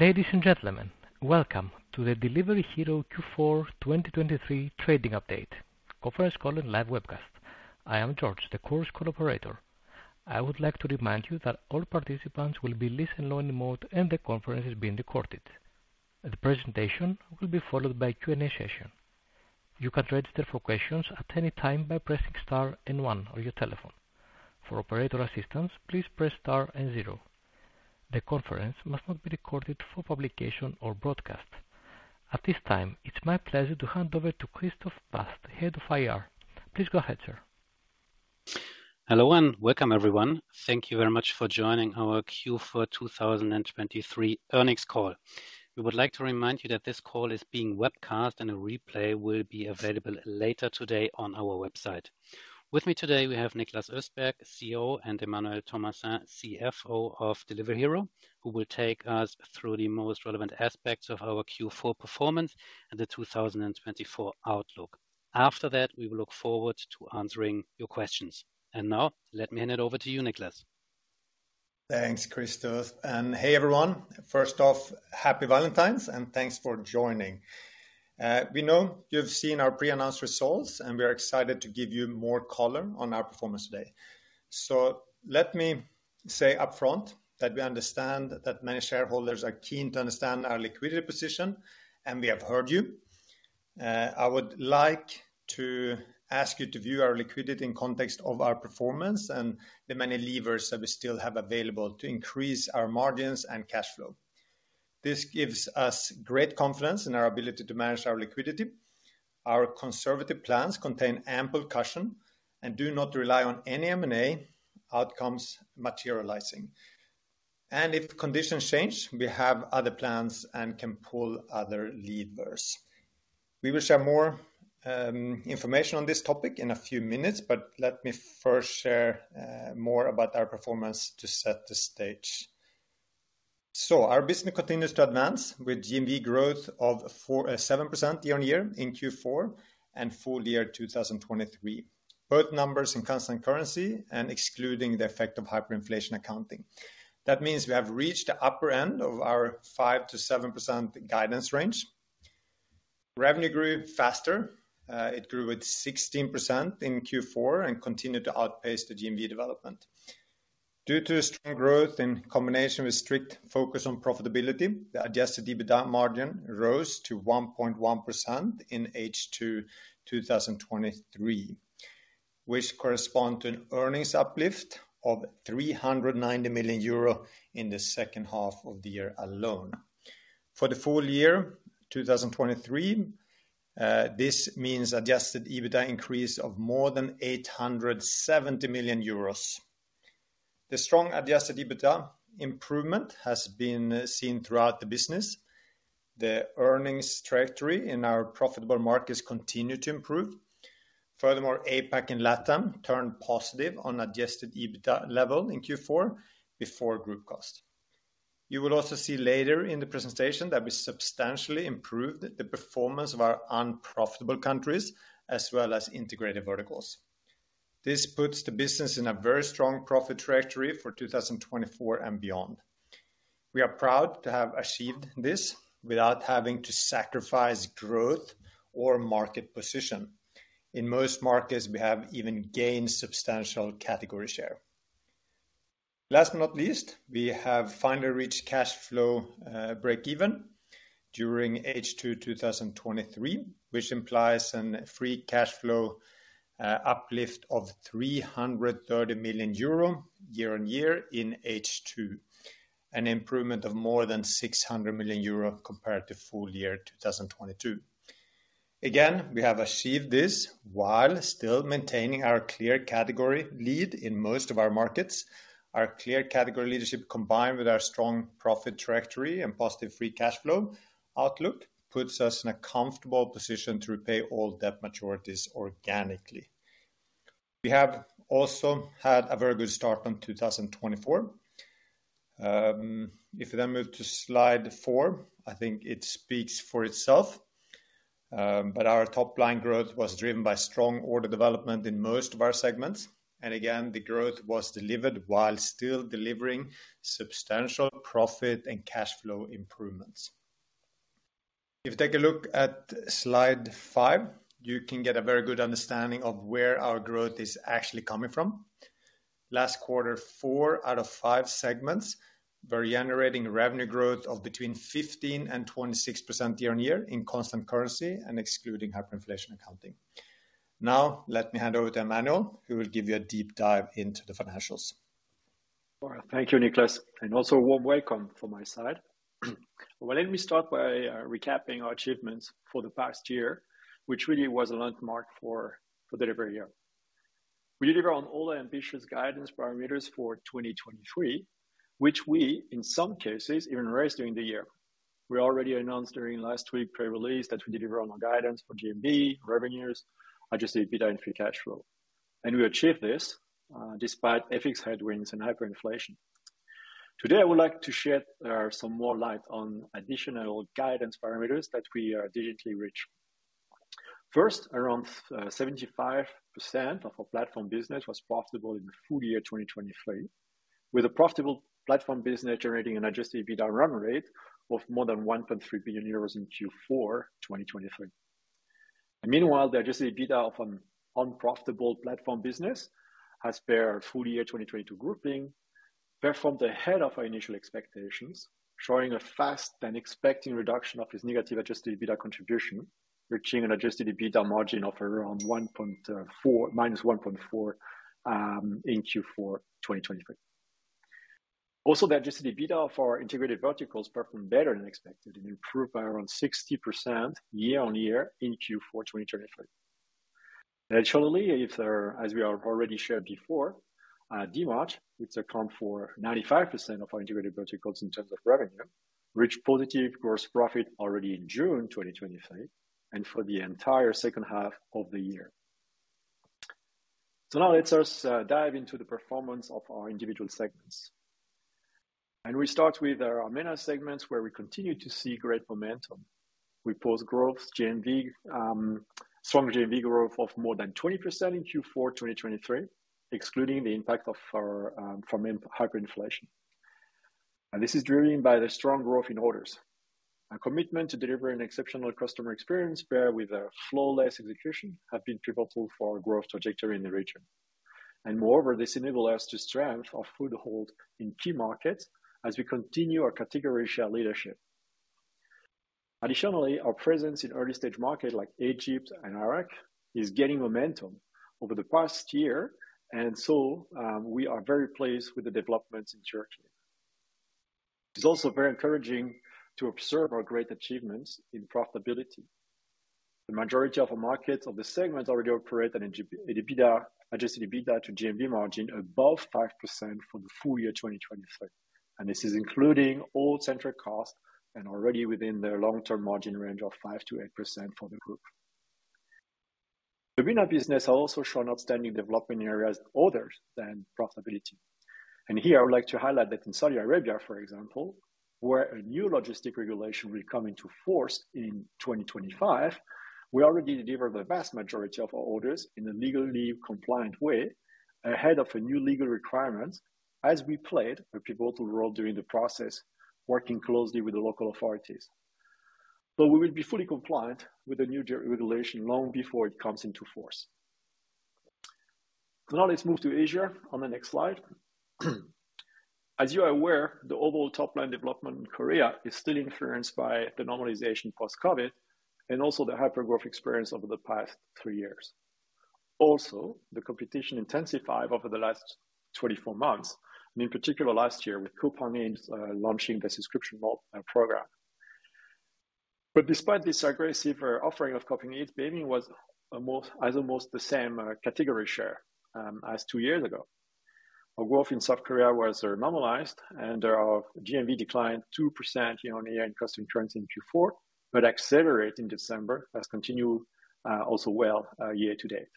Ladies and gentlemen, welcome to the Delivery Hero Q4 2023 Trading Update Conference Call and Live Webcast. I am George, the Chorus Call operator. I would like to remind you that all participants will be in listen-only mode, and the conference is being recorded. The presentation will be followed by a Q&A session. You can register for questions at any time by pressing star and one on your telephone. For operator assistance, please press star and zero. The conference must not be recorded for publication or broadcast. At this time, it's my pleasure to hand over to Christoph Bast, Head of IR. Please go ahead, sir. Hello, and welcome, everyone. Thank you very much for joining our Q4 2023 Earnings Call. We would like to remind you that this call is being webcast, and a replay will be available later today on our website. With me today, we have Niklas Östberg, CEO, and Emmanuel Thomassin, CFO of Delivery Hero, who will take us through the most relevant aspects of our Q4 performance and the 2024 outlook. After that, we will look forward to answering your questions. Now let me hand it over to you, Niklas. Thanks, Christoph. And hey, everyone. First off, Happy Valentine's, and thanks for joining. We know you've seen our pre-announced results, and we are excited to give you more color on our performance today. So let me say upfront that we understand that many shareholders are keen to understand our liquidity position, and we have heard you. I would like to ask you to view our liquidity in context of our performance and the many levers that we still have available to increase our margins and cash flow. This gives us great confidence in our ability to manage our liquidity. Our conservative plans contain ample caution and do not rely on any M&A outcomes materializing. And if conditions change, we have other plans and can pull other levers. We will share more information on this topic in a few minutes, but let me first share more about our performance to set the stage. So our business continues to advance with GMV growth of 4.7% year-on-year in Q4 and full year 2023. Both numbers in constant currency and excluding the effect of hyperinflation accounting. That means we have reached the upper end of our 5%-7% guidance range. Revenue grew faster. It grew at 16% in Q4 and continued to outpace the GMV development. Due to strong growth in combination with strict focus on profitability, the Adjusted EBITDA margin rose to 1.1% in H2 2023, which correspond to an earnings uplift of 390 million euro in the second half of the year alone. For the full year 2023, this means Adjusted EBITDA increase of more than 870 million euros. The strong Adjusted EBITDA improvement has been seen throughout the business. The earnings trajectory in our profitable markets continue to improve. Furthermore, APAC and LATAM turned positive on Adjusted EBITDA level in Q4 before group cost. You will also see later in the presentation that we substantially improved the performance of our unprofitable countries, as well as integrated verticals. This puts the business in a very strong profit trajectory for 2024 and beyond. We are proud to have achieved this without having to sacrifice growth or market position. In most markets, we have even gained substantial category share. Last but not least, we have finally reached cash flow break even during H2 2023, which implies a free cash flow uplift of 330 million euro year-on-year in H2, an improvement of more than 600 million euro compared to full year 2022. Again, we have achieved this while still maintaining our clear category lead in most of our markets. Our clear category leadership, combined with our strong profit trajectory and positive free cash flow outlook, puts us in a comfortable position to repay all debt maturities organically. We have also had a very good start on 2024. If we then move to slide 4, I think it speaks for itself. But our top line growth was driven by strong order development in most of our segments, and again, the growth was delivered while still delivering substantial profit and cash flow improvements. If you take a look at slide 5, you can get a very good understanding of where our growth is actually coming from. Last quarter, four out of five segments were generating revenue growth of between 15% and 26% year-on-year in constant currency and excluding Hyperinflation Accounting. Now, let me hand over to Emmanuel, who will give you a deep dive into the financials. Well, thank you, Niklas, and also warm welcome from my side. Well, let me start by recapping our achievements for the past year, which really was a landmark for Delivery Hero. We deliver on all the ambitious guidance parameters for 2023, which we, in some cases, even raised during the year. We already announced during last week's pre-release that we deliver on our guidance for GMV, revenues, adjusted EBITDA and free cash flow. And we achieved this despite FX headwinds and hyperinflation. Today, I would like to shed some more light on additional guidance parameters that we digitally reached. First, around 75% of our platform business was profitable in the full year 2023, with a profitable platform business generating an adjusted EBITDA run rate of more than 1.3 billion euros in Q4 2023. Meanwhile, the adjusted EBITDA from unprofitable platform business, as per our full year 2022 grouping, performed ahead of our initial expectations, showing a faster than expecting reduction of its negative adjusted EBITDA contribution, reaching an adjusted EBITDA margin of around 1.4-1.4%, in Q4 2023. Also, the adjusted EBITDA for our integrated verticals performed better than expected and improved by around 60% year-on-year in Q4 2023. Naturally, if there, as we have already shared before, Dmarts, which account for 95% of our integrated verticals in terms of revenue, reached positive gross profit already in June 2023, and for the entire second half of the year. So now let us dive into the performance of our individual segments. And we start with our MENA segments, where we continue to see great momentum. We post growth GMV, strong GMV growth of more than 20% in Q4 2023, excluding the impact of our from hyperinflation. This is driven by the strong growth in orders. A commitment to deliver an exceptional customer experience, pair with a flawless execution, have been pivotal for our growth trajectory in the region. Moreover, this enable us to strengthen our foothold in key markets as we continue our category share leadership. Additionally, our presence in early-stage market like Egypt and Iraq is gaining momentum over the past year, and so we are very pleased with the developments in Turkey. It's also very encouraging to observe our great achievements in profitability. The maturity of the markets of the segment already operate at an EBITDA, adjusted EBITDA to GMV margin above 5% for the full year 2023. This is including all central costs and already within their long-term margin range of 5%-8% for the group. The MENA business has also shown outstanding development in areas other than profitability. And here, I would like to highlight that in Saudi Arabia, for example, where a new logistics regulation will come into force in 2025, we already deliver the vast majority of our orders in a legally compliant way, ahead of a new legal requirement, as we played a pivotal role during the process, working closely with the local authorities. But we will be fully compliant with the new regulation long before it comes into force. So now let's move to Asia on the next slide. As you are aware, the overall top-line development in Korea is still influenced by the normalization post-COVID, and also the hypergrowth experience over the past three years. Also, the competition intensified over the last 24 months, and in particular last year, with Coupang Eats launching the subscription model and program. But despite this aggressive offering of Coupang Eats, Baemin was almost the same category share as 2 years ago. Our growth in South Korea was normalized and our GMV declined 2% year-on-year in constant currency in Q4, but accelerate in December as continue also well year to date.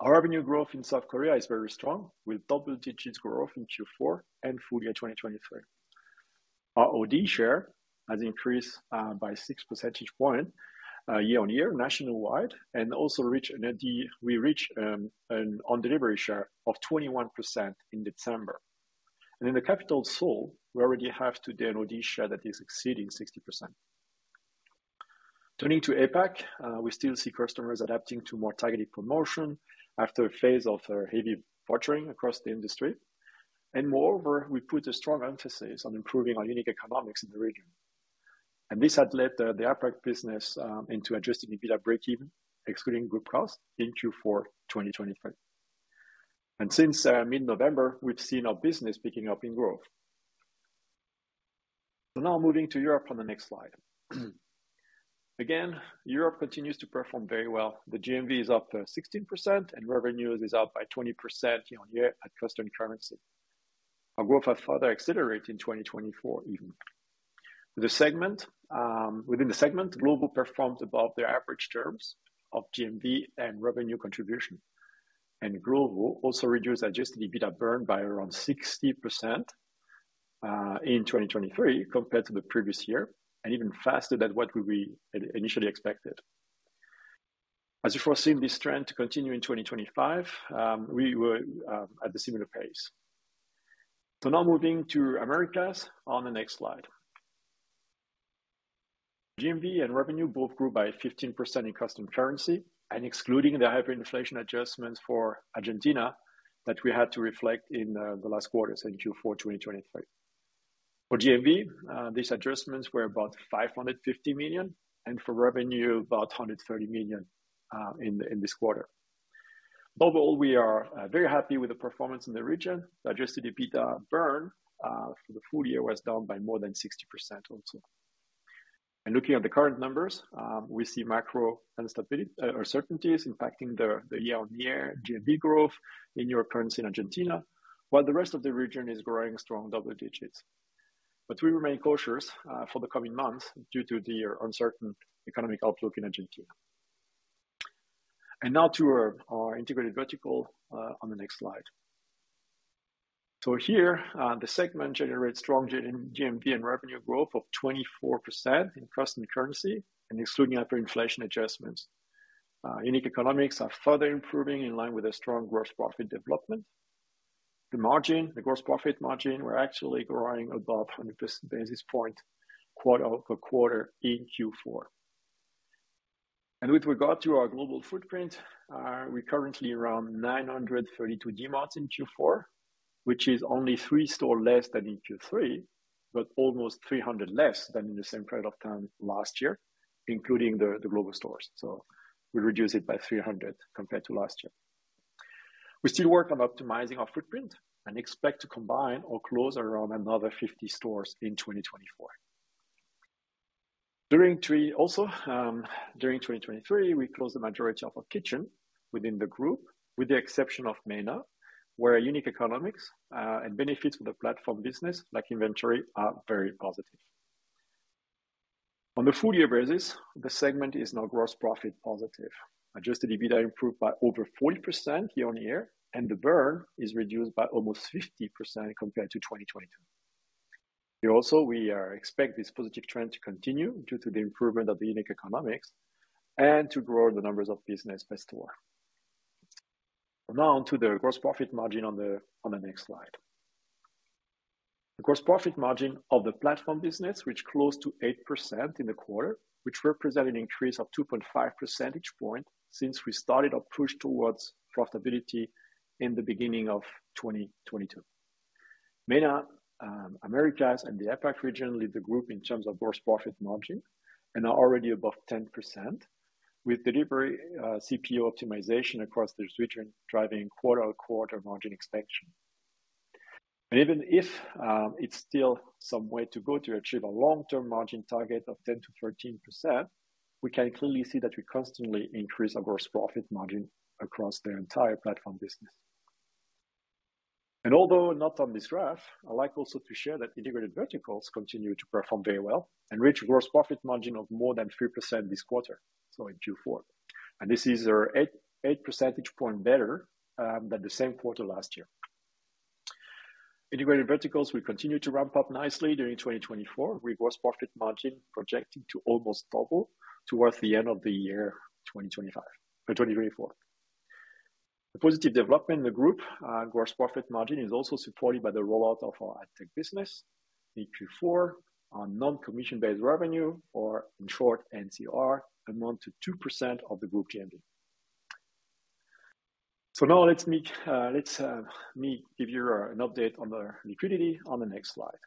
Our revenue growth in South Korea is very strong, with double digits growth in Q4 and full year 2023. Our OD share has increased by 6 percentage point year-on-year nationwide, and also reach an OD—we reach an own-delivery share of 21% in December. And in the capital, Seoul, we already have today an OD share that is exceeding 60%. Turning to APAC, we still see customers adapting to more targeted promotion after a phase of heavy budgeting across the industry. Moreover, we put a strong emphasis on improving our unit economics in the region. This had led the APAC business into Adjusted EBITDA breakeven, excluding group cost, in Q4 2023. Since mid-November, we've seen our business picking up in growth. So now moving to Europe on the next slide. Again, Europe continues to perform very well. The GMV is up 16% and revenues is up by 20% year-on-year at constant currency. Our growth has further accelerate in 2024 even. The segment within the segment, Glovo performed above the average terms of GMV and revenue contribution. Growth will also reduce adjusted EBITDA burn by around 60% in 2023 compared to the previous year, and even faster than what we initially expected. As we're foreseen this trend to continue in 2025, we will at the similar pace. Now moving to Americas on the next slide. GMV and revenue both grew by 15% in constant currency and excluding the hyperinflation adjustments for Argentina that we had to reflect in the last quarter, so in Q4 2023. For GMV, these adjustments were about 550 million, and for revenue, about 130 million in this quarter. Above all, we are very happy with the performance in the region. The adjusted EBITDA burn for the full year was down by more than 60% also. And looking at the current numbers, we see macro instability, uncertainties impacting the year-on-year GMV growth in European currency in Argentina, while the rest of the region is growing strong double digits. But we remain cautious for the coming months due to the uncertain economic outlook in Argentina. And now to our integrated vertical, on the next slide. So here, the segment generates strong GMV and revenue growth of 24% in constant currency and excluding hyperinflation adjustments. Unit economics are further improving in line with a strong gross profit development. The margin, the gross profit margin, we're actually growing above 100 basis points, quarter-over-quarter in Q4. With regard to our global footprint, we're currently around 932 Dmarts in Q4, which is only 3 stores less than in Q3, but almost 300 less than in the same period of time last year, including the global stores. So we reduce it by 300 compared to last year. We still work on optimizing our footprint and expect to combine or close around another 50 stores in 2024. During Q3 also, during 2023, we closed the majority of our kitchens within the group, with the exception of MENA, where unit economics and benefits for the platform business, like inventory, are very positive. On the full year basis, the segment is now gross profit positive. Adjusted EBITDA improved by over 40% year-on-year, and the burn is reduced by almost 50% compared to 2022. We also expect this positive trend to continue due to the improvement of the unit economics and to grow the numbers of business per store. Now, on to the gross profit margin on the next slide. The gross profit margin of the platform business, which closed to 8% in the quarter, which represent an increase of 2.5 percentage point since we started our push towards profitability in the beginning of 2022. MENA, Americas and the APAC region lead the group in terms of gross profit margin and are already above 10%, with delivery CPO optimization across the region, driving quarter-over-quarter margin expansion. And even if it's still some way to go to achieve a long-term margin target of 10%-13%, we can clearly see that we constantly increase our gross profit margin across the entire platform business. And although not on this graph, I'd like also to share that integrated verticals continue to perform very well and reach a gross profit margin of more than 3% this quarter, so in Q4. And this is eight percentage points better than the same quarter last year. Integrated verticals will continue to ramp up nicely during 2024, with gross profit margin projecting to almost double towards the end of the year 2025, 2024. The positive development in the group gross profit margin is also supported by the rollout of our ad tech business in Q4 on non-commission-based revenue, or in short, NCR, amount to 2% of the group GMV. So now let me give you an update on the liquidity on the next slide.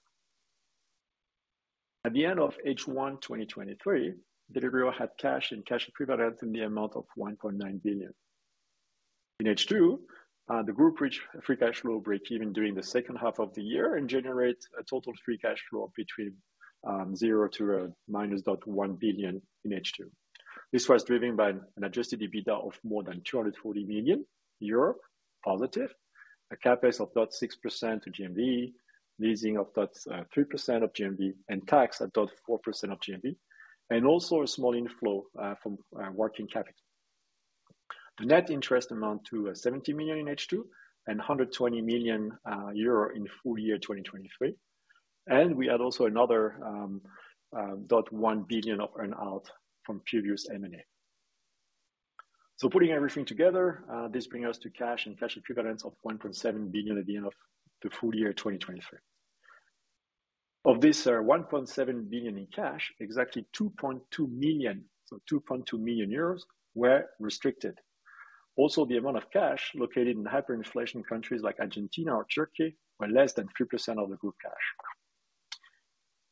At the end of H1 2023, Delivery Hero had cash and cash equivalents in the amount of 1.9 billion. In H2, the group reached free cash flow breakeven during the second half of the year and generate a total free cash flow between 0 to -0.1 billion in H2. This was driven by an adjusted EBITDA of more than 240 million euro, positive, a CapEx of 0.6% to GMV, leasing of 0.3% of GMV, and tax at 0.4% of GMV, and also a small inflow from working capital. The net interest amount to 70 million in H2 and 120 million euro in full year 2023. We add also another 0.1 billion of earn-out from previous M&A. Putting everything together, this bring us to cash and cash equivalents of 1.7 billion at the end of the full year 2023. Of this one point seven billion in cash, exactly two point two million, so two point two million euros, were restricted. Also, the amount of cash located in hyperinflation countries like Argentina or Turkey were less than 3% of the group cash.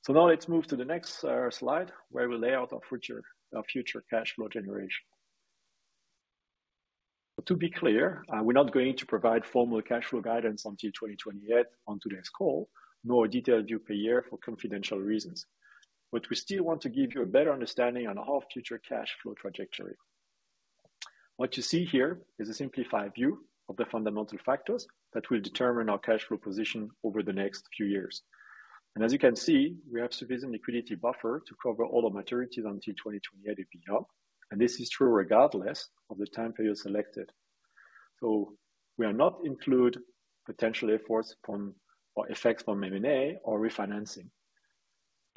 Now let's move to the next slide, where we lay out our future, our future cash flow generation. To be clear, we're not going to provide formal cash flow guidance until 2028 on today's call, nor a detailed view per year for confidential reasons. But we still want to give you a better understanding on our future cash flow trajectory. What you see here is a simplified view of the fundamental factors that will determine our cash flow position over the next few years. As you can see, we have sufficient liquidity buffer to cover all the maturities until 2028 and beyond, and this is true regardless of the time period selected. So we are not including potential effects from M&A or refinancing.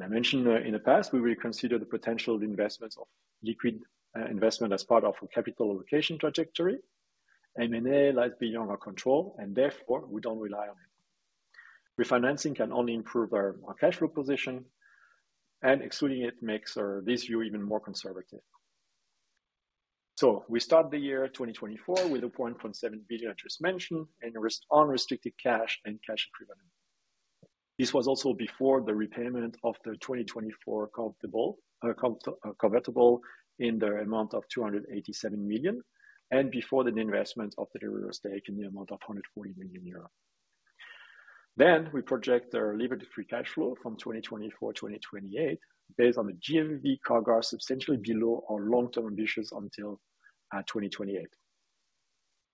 I mentioned in the past, we will consider the potential investment in liquid investments as part of a capital allocation trajectory. M&A lies beyond our control, and therefore we don't rely on it. Refinancing can only improve our cash flow position, and excluding it makes this view even more conservative. So we start the year 2024 with 0.17 billion, I just mentioned, in unrestricted cash and cash equivalents. This was also before the repayment of the 2024 convertible in the amount of 287 million, and before the investment of the Delivery Hero stake in the amount of 140 million euro. Then, we project our levered free cash flow from 2024 to 2028, based on the GMV CAGR, substantially below our long-term ambitions until 2028.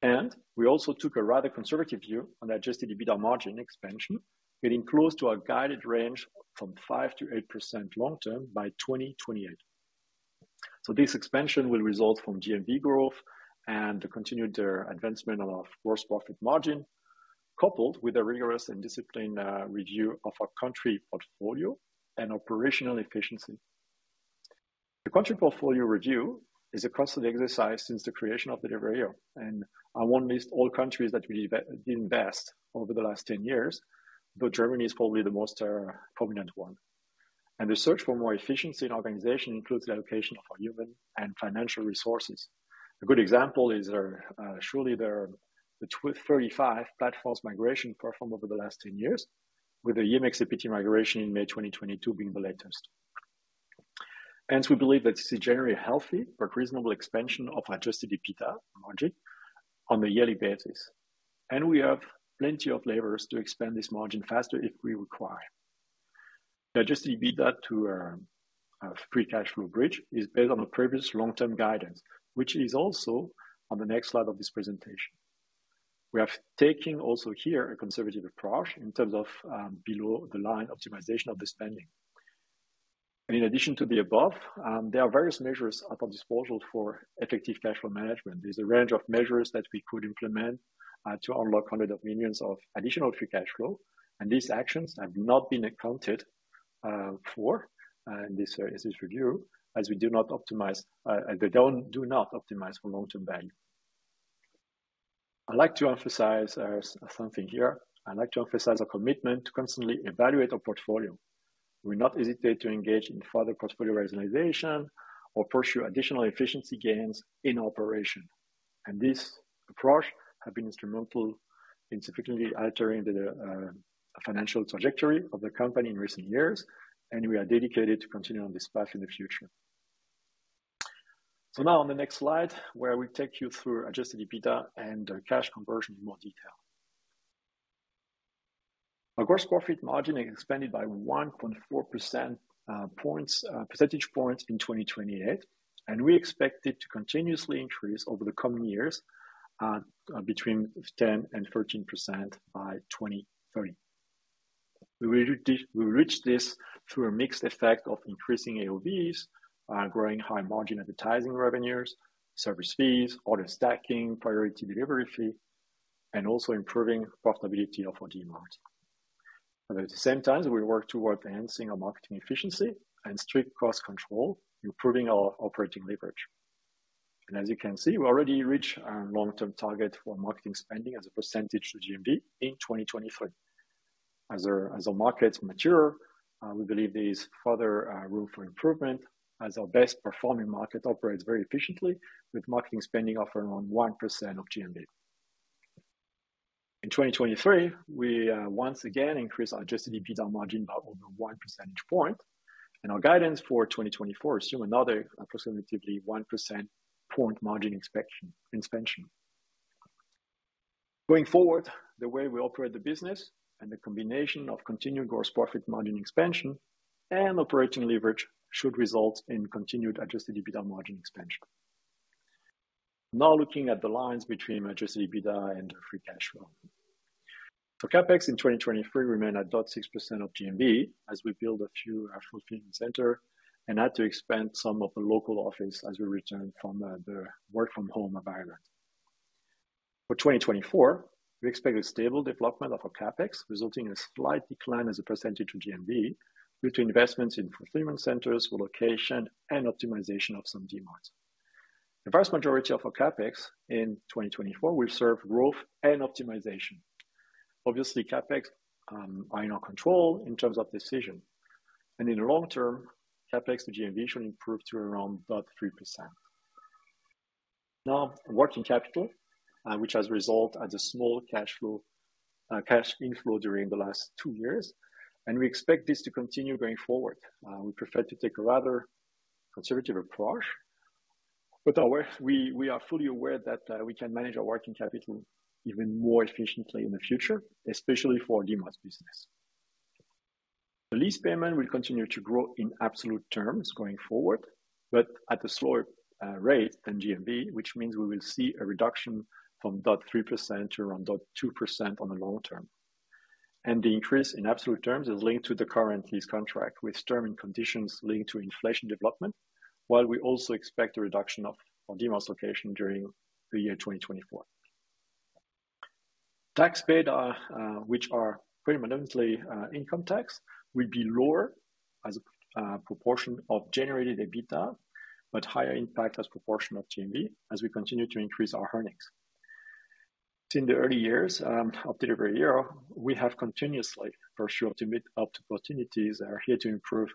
And we also took a rather conservative view on adjusted EBITDA margin expansion, getting close to our guided range from 5%-8% long term by 2028. So this expansion will result from GMV growth and the continued advancement of our gross profit margin, coupled with a rigorous and disciplined review of our country portfolio and operational efficiency. The country portfolio review is a constant exercise since the creation of the Delivery Hero, and I won't list all countries that we invest over the last 10 years, but Germany is probably the most prominent one. And the search for more efficiency in organization includes the allocation of our human and financial resources. A good example is, surely there are the 25 platforms migration performed over the last 10 years, with the Yandex Eater migration in May 2022 being the latest. And we believe that this is generally a healthy but reasonable expansion of Adjusted EBITDA margin on a yearly basis, and we have plenty of levers to expand this margin faster if we require. The Adjusted EBITDA to free cash flow bridge is based on a previous long-term guidance, which is also on the next slide of this presentation. We have taken also here a conservative approach in terms of below-the-line optimization of the spending. And in addition to the above, there are various measures at our disposal for effective cash flow management. There's a range of measures that we could implement to unlock hundreds of millions EUR in additional free cash flow, and these actions have not been accounted for in this review, as we do not optimize for long-term value. I'd like to emphasize something here. I'd like to emphasize a commitment to constantly evaluate our portfolio. We not hesitate to engage in further portfolio rationalization or pursue additional efficiency gains in operation. And this approach have been instrumental in significantly altering the financial trajectory of the company in recent years, and we are dedicated to continuing on this path in the future. So now on the next slide, where I will take you through Adjusted EBITDA and cash conversion in more detail. Our gross profit margin expanded by 1.4 percentage points in 2028, and we expect it to continuously increase over the coming years, between 10%-13% by 2030. We reach this through a mixed effect of increasing AOVs, growing high margin advertising revenues, service fees, order stacking, priority delivery fee, and also improving profitability of our Dmart. At the same time, we work toward enhancing our marketing efficiency and strict cost control, improving our operating leverage. As you can see, we already reached our long-term target for marketing spending as a percentage of GMV in 2023. As our markets mature, we believe there is further room for improvement as our best performing market operates very efficiently, with marketing spending of around 1% of GMV. In 2023, we once again increased our adjusted EBITDA margin by over 1 percentage point, and our guidance for 2024 assume another approximately 1 percentage point margin expansion. Going forward, the way we operate the business and the combination of continued gross profit margin expansion and operating leverage, should result in continued adjusted EBITDA margin expansion. Now, looking at the lines between adjusted EBITDA and free cash flow. For CapEx in 2023, we remain at 0.6% of GMV as we build a few fulfillment center and had to expand some of the local office as we return from the work-from-home environment. For 2024, we expect a stable development of our CapEx, resulting in a slight decline as a percentage to GMV, due to investments in fulfillment centers, relocation, and optimization of some Dmarts. The vast majority of our CapEx in 2024 will serve growth and optimization. Obviously, CapEx are in our control in terms of decision, and in the long term, CapEx to GMV should improve to around about 3%. Now, working capital, which has resulted as a small cash flow, cash inflow during the last two years, and we expect this to continue going forward. We prefer to take a rather conservative approach, but are aware-- we, we are fully aware that, we can manage our working capital even more efficiently in the future, especially for Dmart business. The lease payment will continue to grow in absolute terms going forward, but at a slower rate than GMV, which means we will see a reduction from 0.3% to around 0.2% on the long term. The increase in absolute terms is linked to the current lease contract, with term and conditions linked to inflation development, while we also expect a reduction of on Dmart location during the year 2024. Tax paid, which are predominantly income tax, will be lower as a proportion of generated EBITDA, but higher impact as proportion of GMV as we continue to increase our earnings. In the early years of Deliveroo, we have continuously pursued opportunities that are here to improve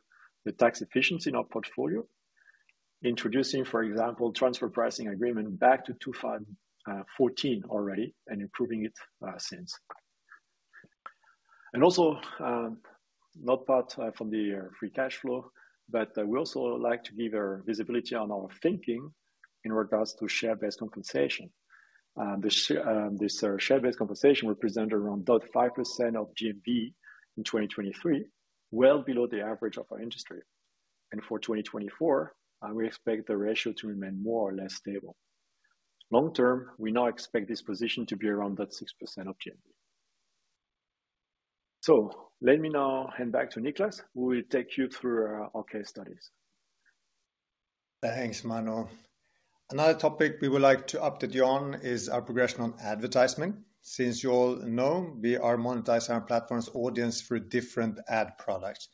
the tax efficiency in our portfolio. Introducing, for example, transfer pricing agreement back to 2014 already and improving it since. And also, not part from the free cash flow, but we also like to give a visibility on our thinking in regards to share-based compensation. The share-based compensation represented around 0.5% of GMV in 2023, well below the average of our industry. For 2024, we expect the ratio to remain more or less stable. Long term, we now expect this position to be around that 6% of GMV. Let me now hand back to Niklas, who will take you through our case studies. Thanks, Emmanuel. Another topic we would like to update you on is our progression on advertisement. Since you all know, we are monetizing our platform's audience through different ad products,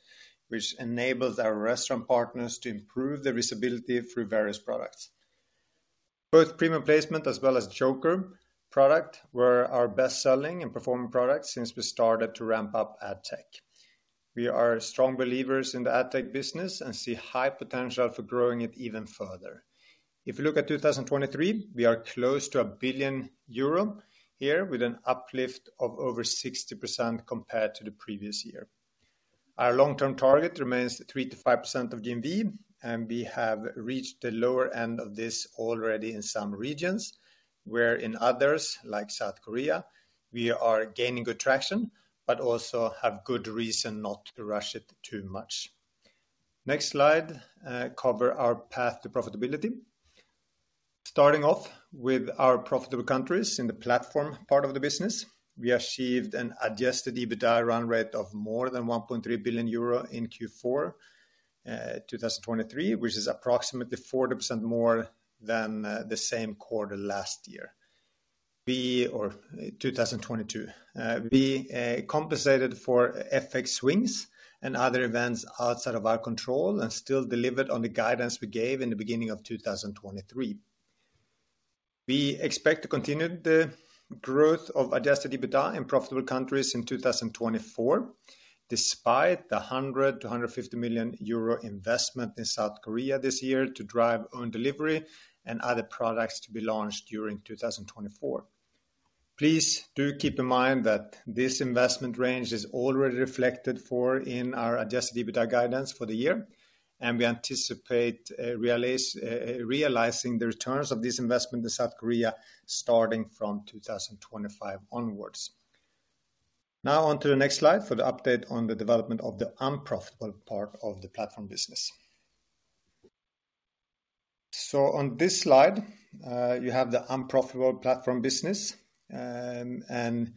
which enables our restaurant partners to improve their visibility through various products. Both Premium Placement as well as Joker product were our best-selling and performing products since we started to ramp up ad tech. We are strong believers in the ad tech business and see high potential for growing it even further. If you look at 2023, we are close to 1 billion euro here, with an uplift of over 60% compared to the previous year. Our long-term target remains 3%-5% of GMV, and we have reached the lower end of this already in some regions, where in others, like South Korea, we are gaining good traction, but also have good reason not to rush it too much. Next slide, cover our path to profitability. Starting off with our profitable countries in the platform part of the business, we achieved an adjusted EBITDA run rate of more than 1.3 billion euro in Q4 2023, which is approximately 40% more than the same quarter last year, or 2022. We compensated for FX swings and other events outside of our control and still delivered on the guidance we gave in the beginning of 2023. We expect to continue the growth of adjusted EBITDA in profitable countries in 2024, despite the 100 million-150 million euro investment in South Korea this year to drive own delivery and other products to be launched during 2024. Please do keep in mind that this investment range is already reflected for in our adjusted EBITDA guidance for the year, and we anticipate realizing the returns of this investment in South Korea starting from 2025 onwards. Now on to the next slide for the update on the development of the unprofitable part of the platform business. On this slide, you have the unprofitable platform business. and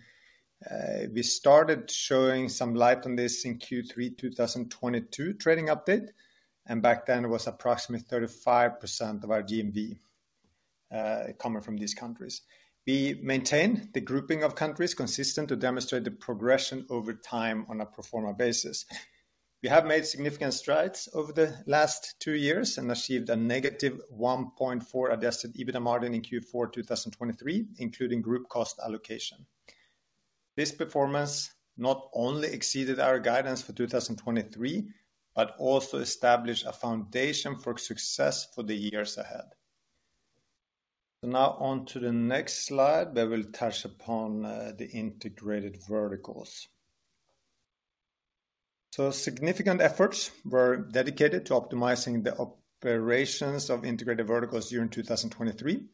we started showing some light on this in Q3 2022 trading update, and back then it was approximately 35% of our GMV coming from these countries. We maintained the grouping of countries consistent to demonstrate the progression over time on a pro forma basis. We have made significant strides over the last two years and achieved a -1.4 Adjusted EBITDA margin in Q4 2023, including group cost allocation. This performance not only exceeded our guidance for 2023, but also established a foundation for success for the years ahead. So now on to the next slide that will touch upon the integrated verticals. Significant efforts were dedicated to optimizing the operations of integrated verticals during 2023.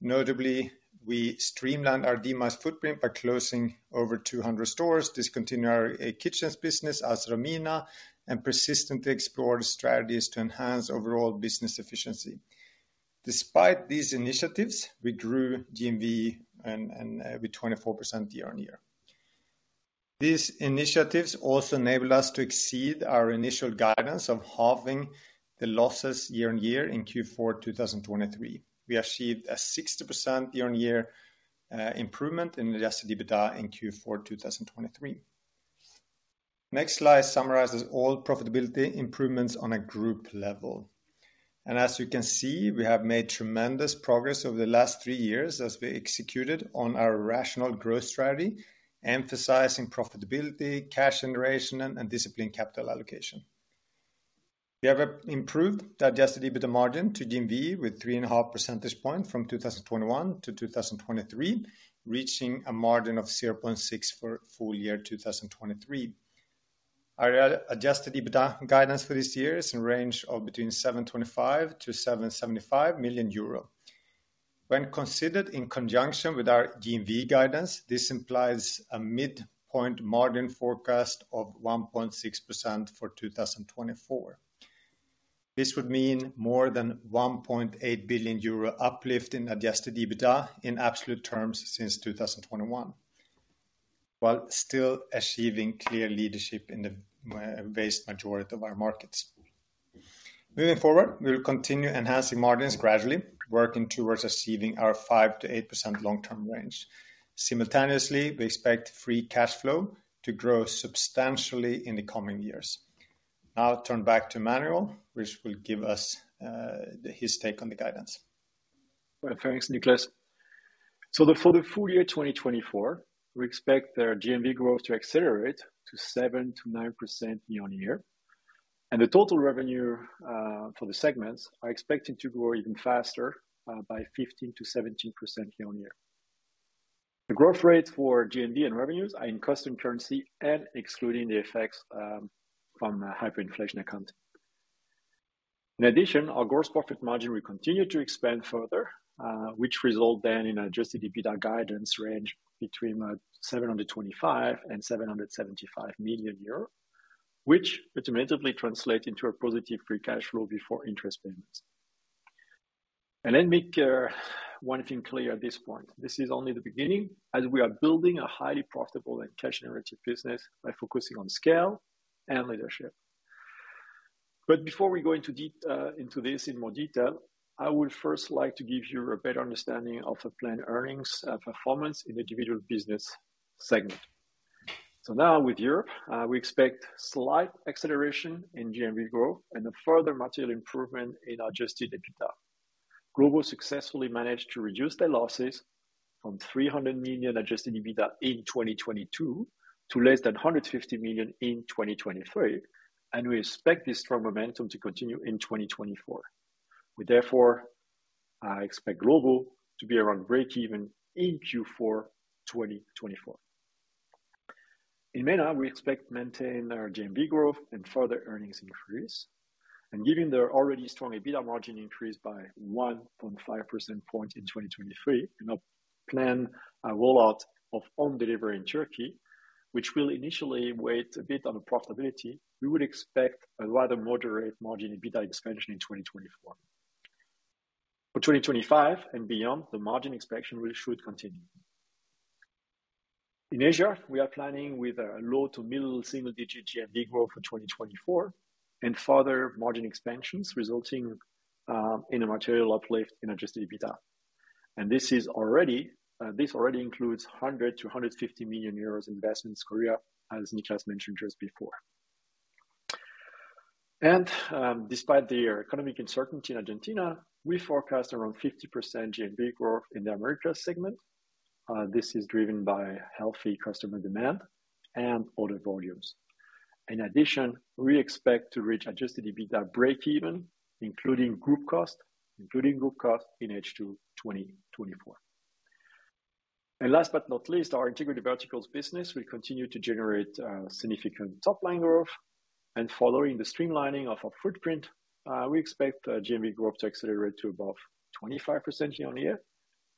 Notably, we streamlined our Dmarts footprint by closing over 200 stores, discontinued our kitchens business in Romania, and persistently explored strategies to enhance overall business efficiency. Despite these initiatives, we grew GMV and with 24% year-on-year. These initiatives also enabled us to exceed our initial guidance of halving the losses year-on-year in Q4 2023. We achieved a 60% year-on-year improvement in Adjusted EBITDA in Q4 2023. Next slide summarizes all profitability improvements on a group level. As you can see, we have made tremendous progress over the last three years as we executed on our rational growth strategy, emphasizing profitability, cash generation, and disciplined capital allocation. We have improved the adjusted EBITDA margin to GMV with 3.5 percentage points from 2021 to 2023, reaching a margin of 0.6% for full year 2023. Our adjusted EBITDA guidance for this year is in the range of between 725 million-775 million euro. When considered in conjunction with our GMV guidance, this implies a midpoint margin forecast of 1.6% for 2024. This would mean more than 1.8 billion euro uplift in adjusted EBITDA in absolute terms since 2021, while still achieving clear leadership in the vast majority of our markets. Moving forward, we will continue enhancing margins gradually, working towards achieving our 5%-8% long-term range. Simultaneously, we expect free cash flow to grow substantially in the coming years. I'll turn back to Emmanuel, which will give us his take on the guidance. Thanks, Niklas. So for the full year 2024, we expect the GMV growth to accelerate to 7%-9% year-on-year, and the total revenue for the segments are expected to grow even faster by 15%-17% year-on-year. The growth rates for GMV and revenues are in custom currency and excluding the effects from a hyperinflation account. In addition, our gross profit margin will continue to expand further, which result then in adjusted EBITDA guidance range between 725 million and 775 million euro, which ultimately translate into a positive free cash flow before interest payments. Let me make one thing clear at this point, this is only the beginning, as we are building a highly profitable and cash-generative business by focusing on scale and leadership. But before we go into this in more detail, I would first like to give you a better understanding of the planned earnings performance in the individual business segment. So now with Europe, we expect slight acceleration in GMV growth and a further material improvement in Adjusted EBITDA. Glovo successfully managed to reduce their losses from 300 million Adjusted EBITDA in 2022 to less than 150 million in 2023, and we expect this strong momentum to continue in 2024. We therefore expect Glovo to be around breakeven in Q4 2024. In MENA, we expect to maintain our GMV growth and further earnings increase, and given their already strong EBITDA margin increase by 1.5 percentage points in 2023, and our plan, rollout of own delivery in Turkey, which will initially weigh a bit on the profitability, we would expect a rather moderate margin EBITDA expansion in 2024. For 2025 and beyond, the margin expansion really should continue. In Asia, we are planning with a low to middle single-digit GMV growth for 2024, and further margin expansions resulting in a material uplift in adjusted EBITDA. This is already, this already includes 100 million-150 million euros investment in Korea, as Niklas mentioned just before. Despite the economic uncertainty in Argentina, we forecast around 50% GMV growth in the Americas segment. This is driven by healthy customer demand and order volumes. In addition, we expect to reach Adjusted EBITDA breakeven, including group cost, including group cost in H2 2024. Last but not least, our integrated verticals business will continue to generate significant top-line growth. Following the streamlining of our footprint, we expect GMV growth to accelerate to above 25% year-on-year,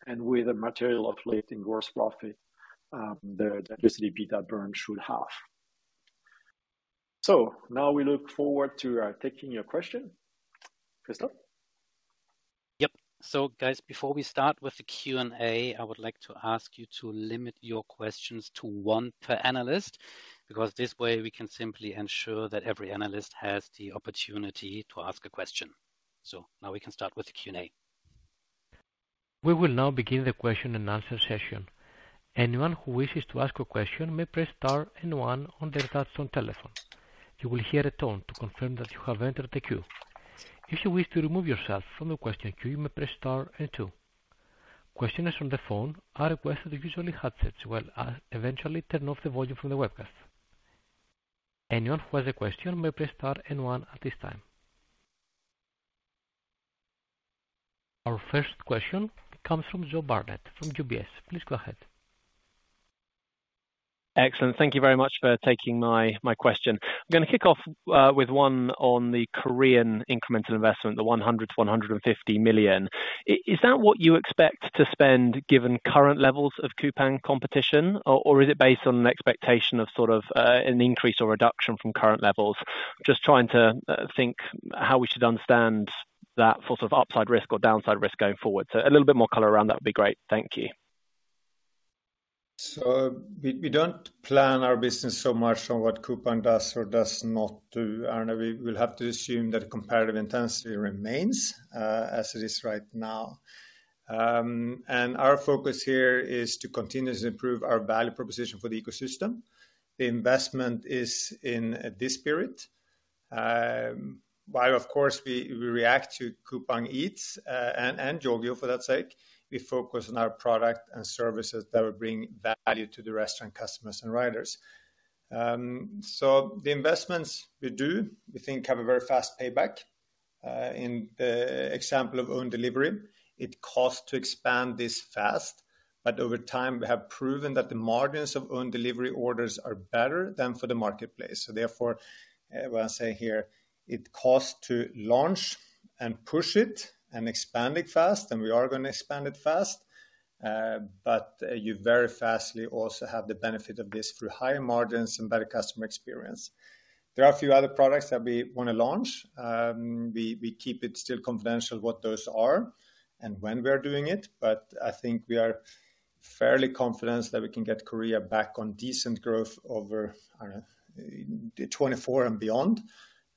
and with a material uplift in gross profit, the Adjusted EBITDA burn should halve. Now we look forward to taking your question. Christoph? Yep. So guys, before we start with the Q&A, I would like to ask you to limit your questions to one per analyst. Because this way, we can simply ensure that every analyst has the opportunity to ask a question. So now we can start with the Q&A. We will now begin the question and answer session. Anyone who wishes to ask a question may press star and one on their touchtone telephone. You will hear a tone to confirm that you have entered the queue. If you wish to remove yourself from the question queue, you may press star and two. Questioners on the phone are requested to use only headsets, while eventually turn off the volume from the webcast. Anyone who has a question may press star and one at this time. Our first question comes from Joseph Barnet-Lamb, from UBS. Please go ahead. Excellent. Thank you very much for taking my question. I'm gonna kick off with one on the Korean incremental investment, the 100 to 150 million. Is that what you expect to spend given current levels of Coupang competition, or is it based on an expectation of sort of an increase or reduction from current levels? Just trying to think how we should understand that sort of upside risk or downside risk going forward. So a little bit more color around that would be great. Thank you. So we don't plan our business so much on what Coupang does or does not do, and we’ll have to assume that competitive intensity remains as it is right now. And our focus here is to continuously improve our value proposition for the ecosystem. The investment is in this spirit. While, of course, we react to Coupang Eats and Yogiyo, for that sake, we focus on our product and services that will bring value to the restaurant customers and riders. So the investments we do, we think have a very fast payback. In the example of own delivery, it costs to expand this fast, but over time, we have proven that the margins of own delivery orders are better than for the marketplace. So therefore, what I say here, it costs to launch and push it and expand it fast, and we are gonna expand it fast. But, you very fastly also have the benefit of this through higher margins and better customer experience. There are a few other products that we wanna launch. We, we keep it still confidential, what those are and when we are doing it, but I think we are fairly confident that we can get Korea back on decent growth over, I don't know, 2024 and beyond.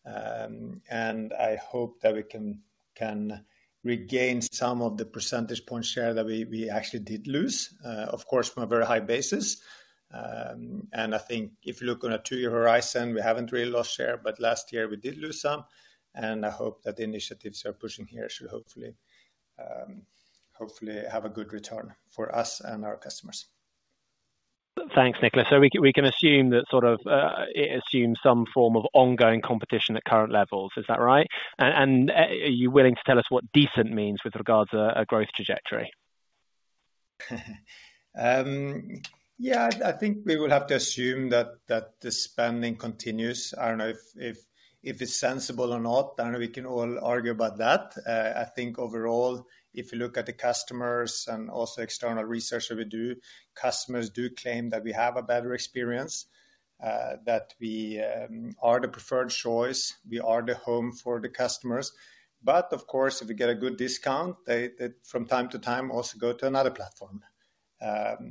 And I hope that we can, can regain some of the percentage point share that we, we actually did lose, of course, from a very high basis. I think if you look on a two-year horizon, we haven't really lost share, but last year we did lose some, and I hope that the initiatives we are pushing here should hopefully have a good return for us and our customers. Thanks, Niklas. So we can assume that sort of, it assumes some form of ongoing competition at current levels. Is that right? And are you willing to tell us what decent means with regards to a growth trajectory? Yeah, I think we will have to assume that the spending continues. I don't know if it's sensible or not. I know we can all argue about that. I think overall, if you look at the customers and also external research that we do, customers do claim that we have a better experience, that we are the preferred choice, we are the home for the customers. But of course, if we get a good discount, they from time to time also go to another platform.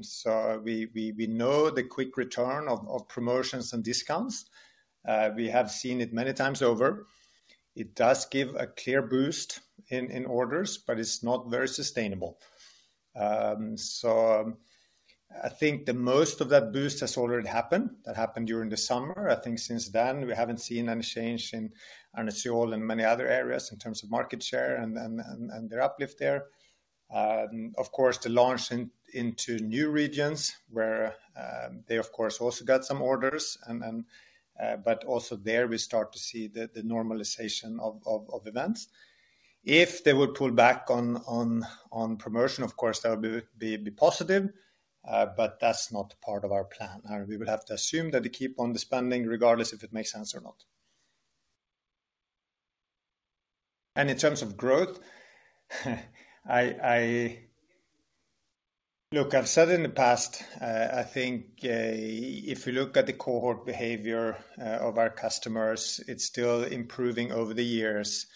So we know the quick return of promotions and discounts. We have seen it many times over. It does give a clear boost in orders, but it's not very sustainable. So I think the most of that boost has already happened. That happened during the summer. I think since then, we haven't seen any change in. I don't see all in many other areas in terms of market share and their uplift there. Of course, the launch into new regions where they, of course, also got some orders and but also there we start to see the normalization of events. If they would pull back on promotion, of course, that would be positive, but that's not part of our plan. We would have to assume that they keep on the spending regardless if it makes sense or not. And in terms of growth, I, Look, I've said in the past, I think if you look at the cohort behavior of our customers, it's still improving over the years.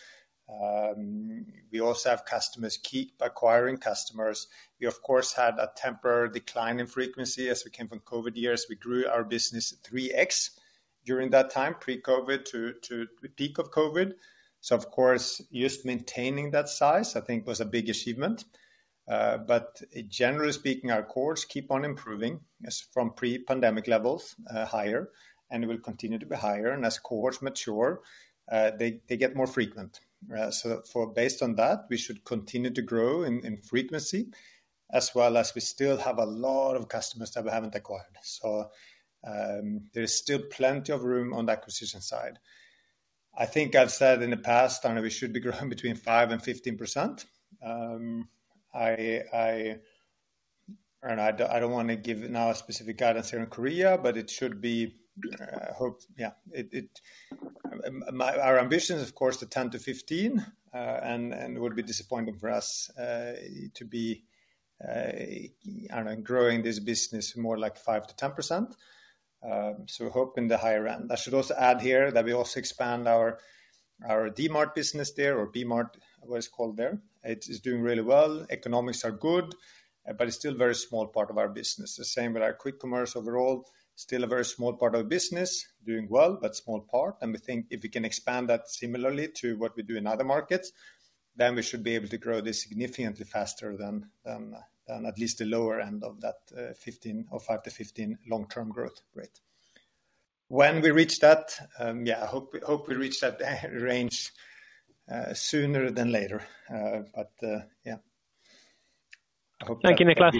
We also have customers keep acquiring customers. We, of course, had a temporary decline in frequency as we came from COVID years. We grew our business 3x during that time, pre-COVID to the peak of COVID. So of course, just maintaining that size, I think was a big achievement. But generally speaking, our cohorts keep on improving as from pre-pandemic levels, higher, and will continue to be higher. And as cohorts mature, they get more frequent. So based on that, we should continue to grow in frequency, as well as we still have a lot of customers that we haven't acquired. So, there is still plenty of room on the acquisition side. I think I've said in the past, and we should be growing between 5% and 15%. I don't want to give now a specific guidance here in Korea, but our ambition is of course the 10-15, and it would be disappointing for us to be, I don't know, growing this business more like 5%-10%. So we hope in the higher end. I should also add here that we also expand our Dmart business there, or B-Mart, what it's called there. It is doing really well. Economics are good, but it's still a very small part of our business. The same with our quick commerce overall, still a very small part of business, doing well, but small part. We think if we can expand that similarly to what we do in other markets, then we should be able to grow this significantly faster than at least the lower end of that 15 or 5-15 long-term growth rate. When we reach that, I hope we reach that range sooner than later. But yeah. Thank you, Niklas.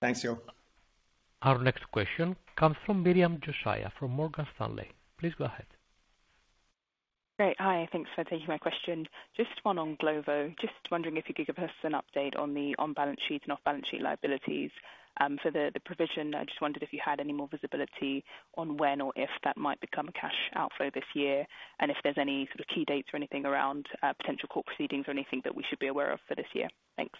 Thanks, Joseph. Our next question comes from Miriam Josiah from Morgan Stanley. Please go ahead. Great. Hi, thanks for taking my question. Just one on Glovo. Just wondering if you could give us an update on the on-balance sheet and off-balance sheet liabilities for the provision. I just wondered if you had any more visibility on when or if that might become a cash outflow this year, and if there's any sort of key dates or anything around potential court proceedings or anything that we should be aware of for this year? Thanks.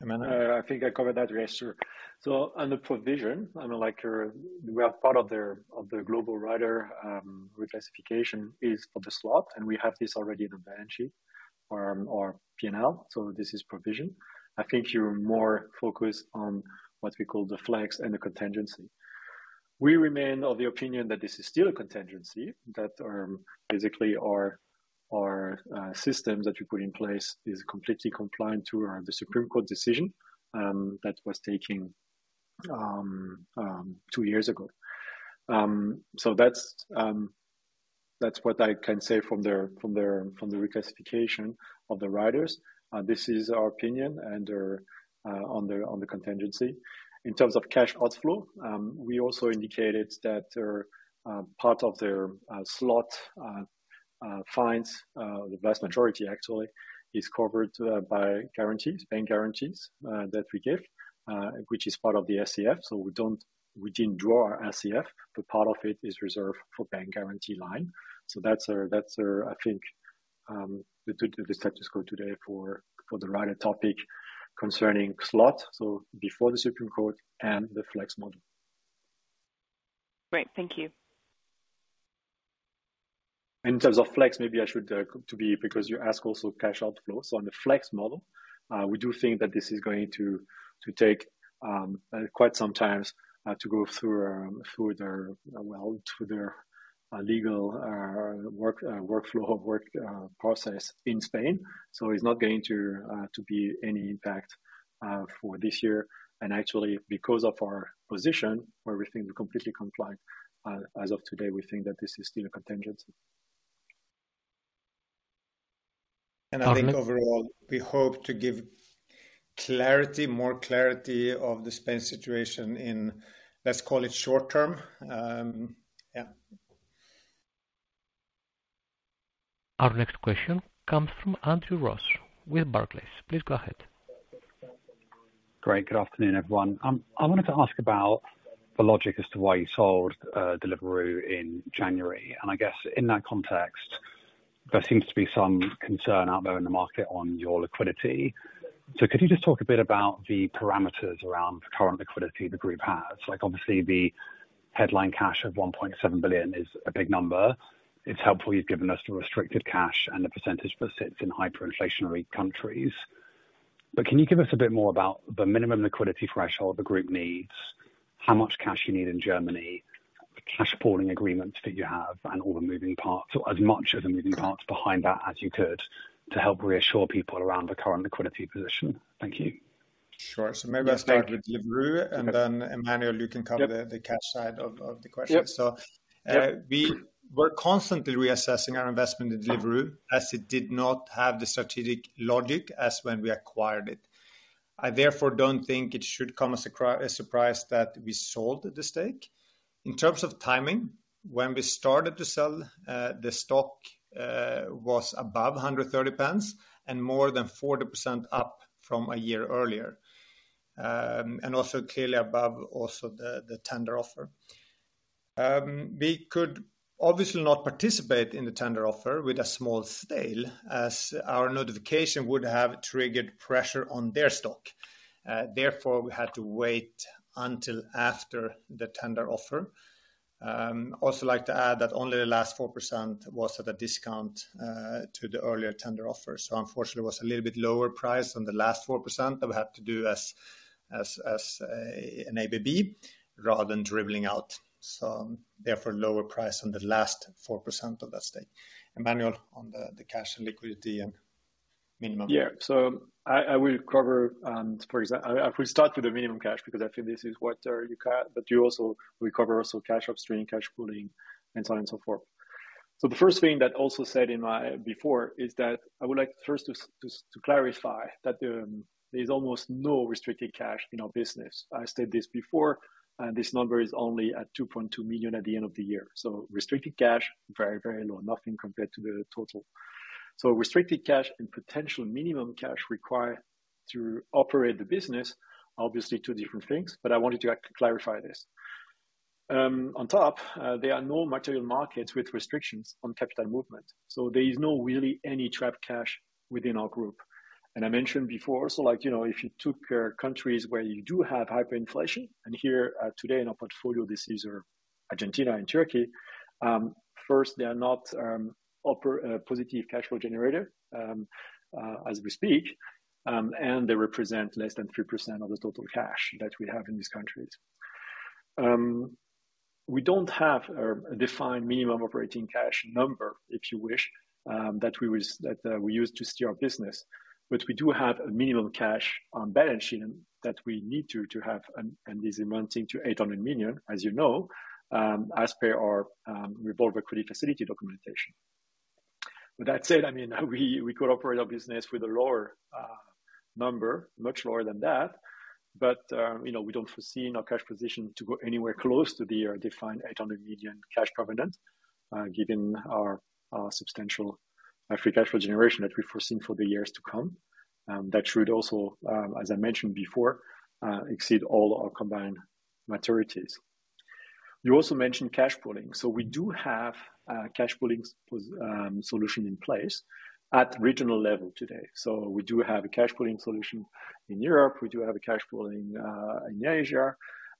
Sure. Emmanuel? I think I covered that yesterday. So on the provision, I know like you're, we are part of the, of the Glovo rider reclassification is for Spain, and we have this already in the balance sheet or, or PNL. So this is provision. I think you're more focused on what we call the Flex and the contingency. We remain of the opinion that this is still a contingency, that basically our systems that we put in place is completely compliant to the Supreme Court decision that was taken two years ago. So that's what I can say from the reclassification of the riders. This is our opinion and on the contingency. In terms of cash outflow, we also indicated that part of their Glovo fines, the vast majority, actually, is covered by guarantees, bank guarantees that we give, which is part of the SCF. So we don't we didn't draw our SCF, but part of it is reserved for bank guarantee line. So that's our, that's our, I think, the status quo today for the rider topic concerning Glovo, so before the Supreme Court and the flex model. Great. Thank you. In terms of flex, maybe I should to be, because you ask also cash outflow. So on the flex model, we do think that this is going to take quite some time to go through their well, through their legal work workflow of work process in Spain. So it's not going to be any impact for this year. And actually, because of our position, where we think we're completely compliant as of today, we think that this is still a contingency. I think overall, we hope to give clarity, more clarity of the Spain situation in, let's call it short term. Yeah. Our next question comes from Andrew Ross with Barclays. Please go ahead. Great. Good afternoon, everyone. I wanted to ask about the logic as to why you sold Deliveroo in January. And I guess in that context, there seems to be some concern out there in the market on your liquidity. So could you just talk a bit about the parameters around the current liquidity the group has? Like, obviously, the headline cash of 1.7 billion is a big number. It's helpful you've given us the restricted cash and the percentage that sits in hyperinflationary countries. But can you give us a bit more about the minimum liquidity threshold the group needs, how much cash you need in Germany, the cash pooling agreements that you have, and all the moving parts, or as much of the moving parts behind that as you could, to help reassure people around the current liquidity position? Thank you. Sure. So maybe I start with Deliveroo, and then, Emmanuel, you can cover the, the cash side of, of the question. Yep. So, we were constantly reassessing our investment in Deliveroo, as it did not have the strategic logic as when we acquired it. I therefore don't think it should come as a surprise that we sold the stake. In terms of timing, when we started to sell, the stock was above 130 pence and more than 40% up from a year earlier, and also clearly above the tender offer. We could obviously not participate in the tender offer with a small sale, as our notification would have triggered pressure on their stock. Therefore, we had to wait until after the tender offer. Also like to add that only the last 4% was at a discount to the earlier tender offer. So unfortunately, it was a little bit lower price on the last 4%, but we had to do an ABB rather than dribbling out. So therefore, lower price on the last 4% of that stake. Emmanuel, on the cash and liquidity and minimum. Yeah. So I will cover, I will start with the minimum cash, because I think this is what, but you also will cover also cash upstream, cash pooling, and so on and so forth. So the first thing that also said in my before is that I would like first to clarify that, there's almost no restricted cash in our business. I said this before, and this number is only at 2.2 million at the end of the year. So restricted cash, very, very low, nothing compared to the total. So restricted cash and potential minimum cash required to operate the business, obviously, two different things, but I wanted to clarify this. On top, there are no material markets with restrictions on capital movement, so there is no really any trapped cash within our group. And I mentioned before, so like, you know, if you took countries where you do have hyperinflation, and here today in our portfolio, this is Argentina and Turkey, first, they are not operating positive cash flow generator as we speak, and they represent less than 3% of the total cash that we have in these countries. We don't have a defined minimum operating cash number, if you wish, that we use to steer our business. But we do have a minimum cash on balance sheet that we need to have, and this amounting to 800 million, as you know, as per our revolving credit facility documentation. With that said, I mean, we could operate our business with a lower number, much lower than that, but you know, we don't foresee in our cash position to go anywhere close to the defined 800 million cash covenant, given our substantial free cash flow generation that we've foreseen for the years to come. That should also, as I mentioned before, exceed all our combined maturities. You also mentioned cash pooling. So we do have a cash pooling solution in place at regional level today. So we do have a cash pooling solution in Europe. We do have a cash pooling in Asia,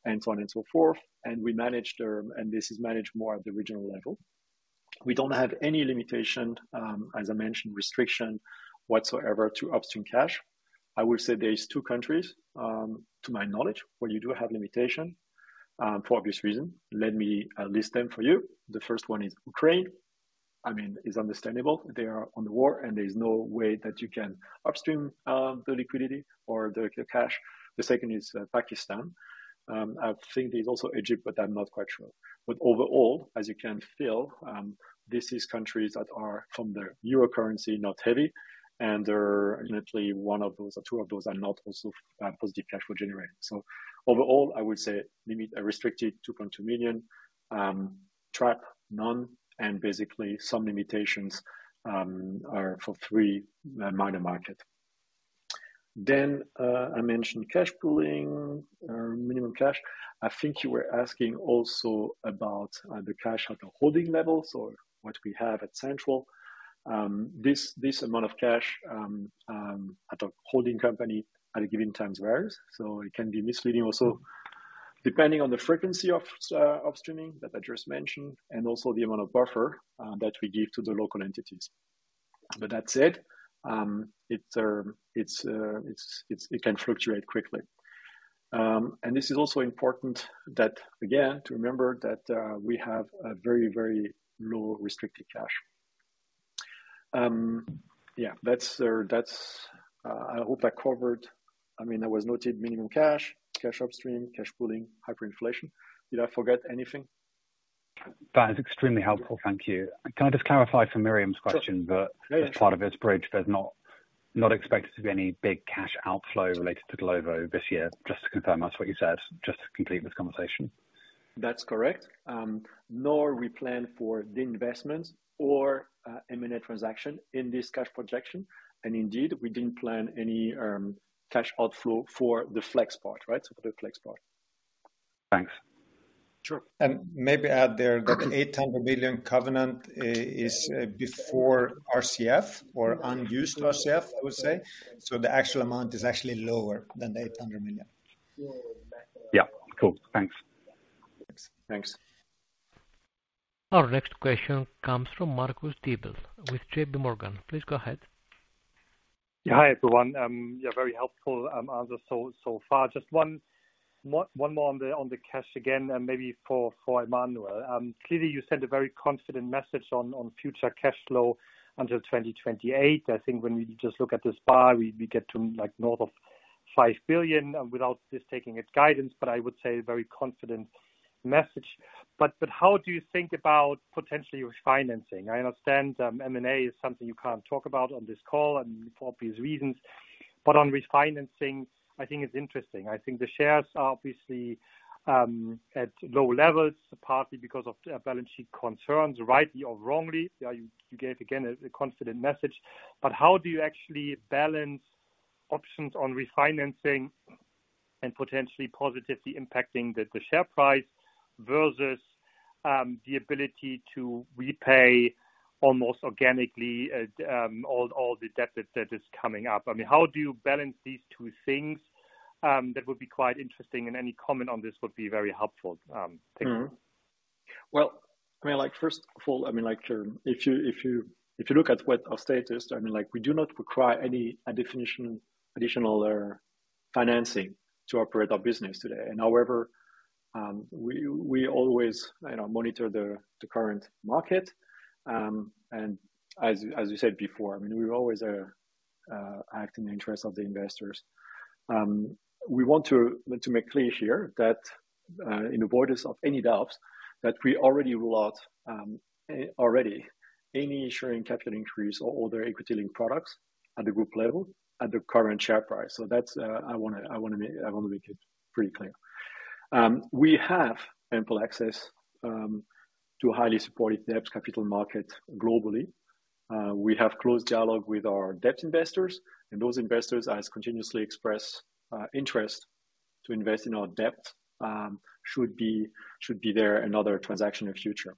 and so on and so forth. And we manage the, And this is managed more at the regional level. We don't have any limitation, as I mentioned, restriction whatsoever, to upstream cash. I will say there is two countries, to my knowledge, where you do have limitation, for obvious reasons. Let me list them for you. The first one is Ukraine. I mean, it's understandable. They are on the war, and there is no way that you can upstream the liquidity or the cash. The second is Pakistan. I think there's also Egypt, but I'm not quite sure. But overall, as you can feel, this is countries that are from the euro currency, not heavy, and they're literally one of those or two of those are not also, positive cash flow generating. So overall, I would say limited restricted 2.2 million, trapped none, and basically some limitations, are for three minor markets. Then, I mentioned cash pooling or minimum cash. I think you were asking also about, the cash at the holding level, so what we have at central. This amount of cash, at a holding company at a given time varies, so it can be misleading also, depending on the frequency of, upstreaming that I just mentioned, and also the amount of buffer, that we give to the local entities. But that said, it can fluctuate quickly. And this is also important that, again, to remember that we have a very, very low restricted cash. Yeah, that's, I hope I covered. I mean, as noted minimum cash, cash upstream, cash pooling, hyperinflation. Did I forget anything? That is extremely helpful. Thank you. Can I just clarify from Miriam's question? Sure. That as part of its bridge, there's not expected to be any big cash outflow related to Glovo this year, just to confirm that's what you said, just to complete this conversation. That's correct. Nor we plan for the investments or M&A transaction in this cash projection. And indeed, we didn't plan any cash outflow for the flex part, right? So for the flex part. Thanks. Sure. Maybe add there, the 800 million covenant is before RCF or unused RCF, I would say. So the actual amount is actually lower than the 800 million. Yeah. Cool. Thanks. Thanks. Thanks. Our next question comes from Marcus Diebel with J.P. Morgan. Please go ahead. Yeah, hi, everyone. Yeah, very helpful answer so far. Just one more on the cash again, and maybe for Emmanuel. Clearly, you sent a very confident message on future cash flow until 2028. I think when we just look at this bar, we get to, like, north of 5 billion without this taking its guidance, but I would say a very confident message. But how do you think about potentially refinancing? I understand, M&A is something you can't talk about on this call, and for obvious reasons, but on refinancing, I think it's interesting. I think the shares are obviously at low levels, partly because of balance sheet concerns, rightly or wrongly. You gave, again, a confident message. But how do you actually balance options on refinancing and potentially positively impacting the share price versus the ability to repay almost organically all the deficit that is coming up? I mean, how do you balance these two things? That would be quite interesting, and any comment on this would be very helpful. Thank you. Well, I mean, like, first of all, I mean, like, if you look at what our status, I mean, like, we do not require any additional financing to operate our business today. However, we always, you know, monitor the current market. And as you said before, I mean, we always act in the interest of the investors. We want to make clear here that, in avoidance of any doubts, that we already rule out already any ensuring capital increase or other equity-linked products at the group level at the current share price. So that's, I wanna make it pretty clear. We have ample access to a highly supported debt capital market globally. We have close dialogue with our debt investors, and those investors has continuously expressed interest to invest in our debt, should there be another transaction in future.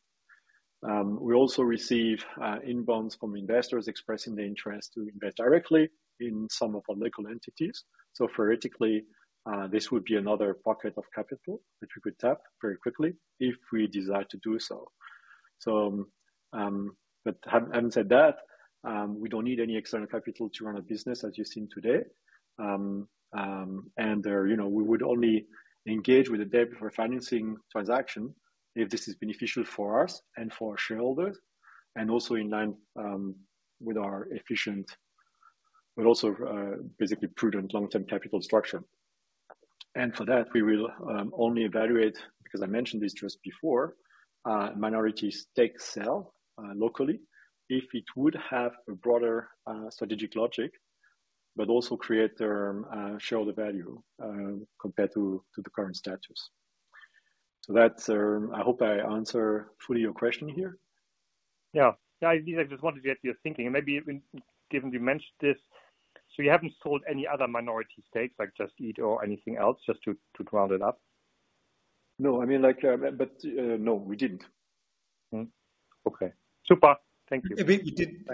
We also receive inbounds from investors expressing the interest to invest directly in some of our local entities. So theoretically, this would be another pocket of capital that we could tap very quickly if we desire to do so. So, but having said that, we don't need any external capital to run a business, as you've seen today. And there, you know, we would only engage with a debt refinancing transaction if this is beneficial for us and for our shareholders, and also in line with our efficient, but also basically prudent long-term capital structure. And for that, we will only evaluate, because I mentioned this just before, minority stake sale locally, if it would have a broader strategic logic, but also create the shareholder value compared to the current status. So that's. I hope I answer fully your question here. Yeah. Yeah, I just wanted to get your thinking, and maybe even given you mentioned this, so you haven't sold any other minority stakes, like Just Eat or anything else, just to round it up? No, I mean, like, but, no, we didn't. Okay. Super. Thank you.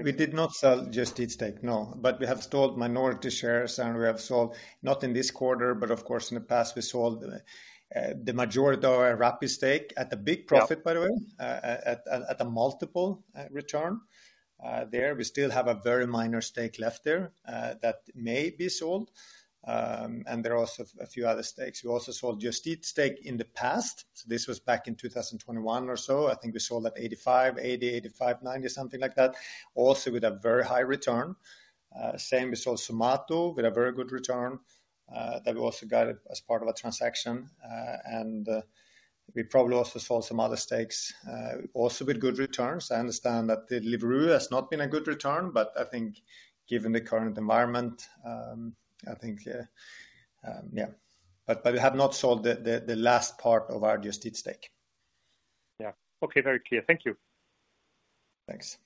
We did not sell Just Eat stake, no. But we have sold minority shares, and we have sold, not in this quarter, but of course, in the past, we sold the majority of our Rappi stake at a big profit, by the way Yeah at a multiple return. There, we still have a very minor stake left there, that may be sold. And there are also a few other stakes. We also sold Just Eat stake in the past. So this was back in 2021 or so. I think we sold at 8.5x, 8x, 8.5x, 9x, something like that. Also with a very high return. Same, we sold Zomato with a very good return, that we also got as part of a transaction. And we probably also sold some other stakes, also with good returns. I understand that the Uber has not been a good return, but I think given the current environment, I think, yeah. But we have not sold the last part of our Just Eat stake. Yeah. Okay, very clear. Thank you. Thanks.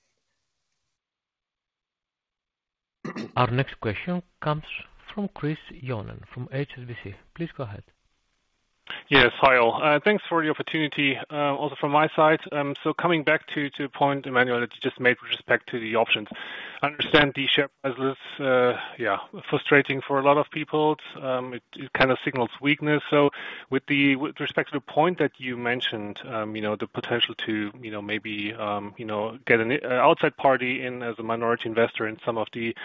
Our next question comes from Chris Johnen, from HSBC. Please go ahead. Yes, hi all. Thanks for the opportunity, also from my side. So coming back to a point, Emmanuel, that you just made with respect to the options. I understand the share prices, yeah, frustrating for a lot of people. It kind of signals weakness. So with respect to the point that you mentioned, you know, the potential to, you know, maybe, you know, get an outside party in as a minority investor in some of the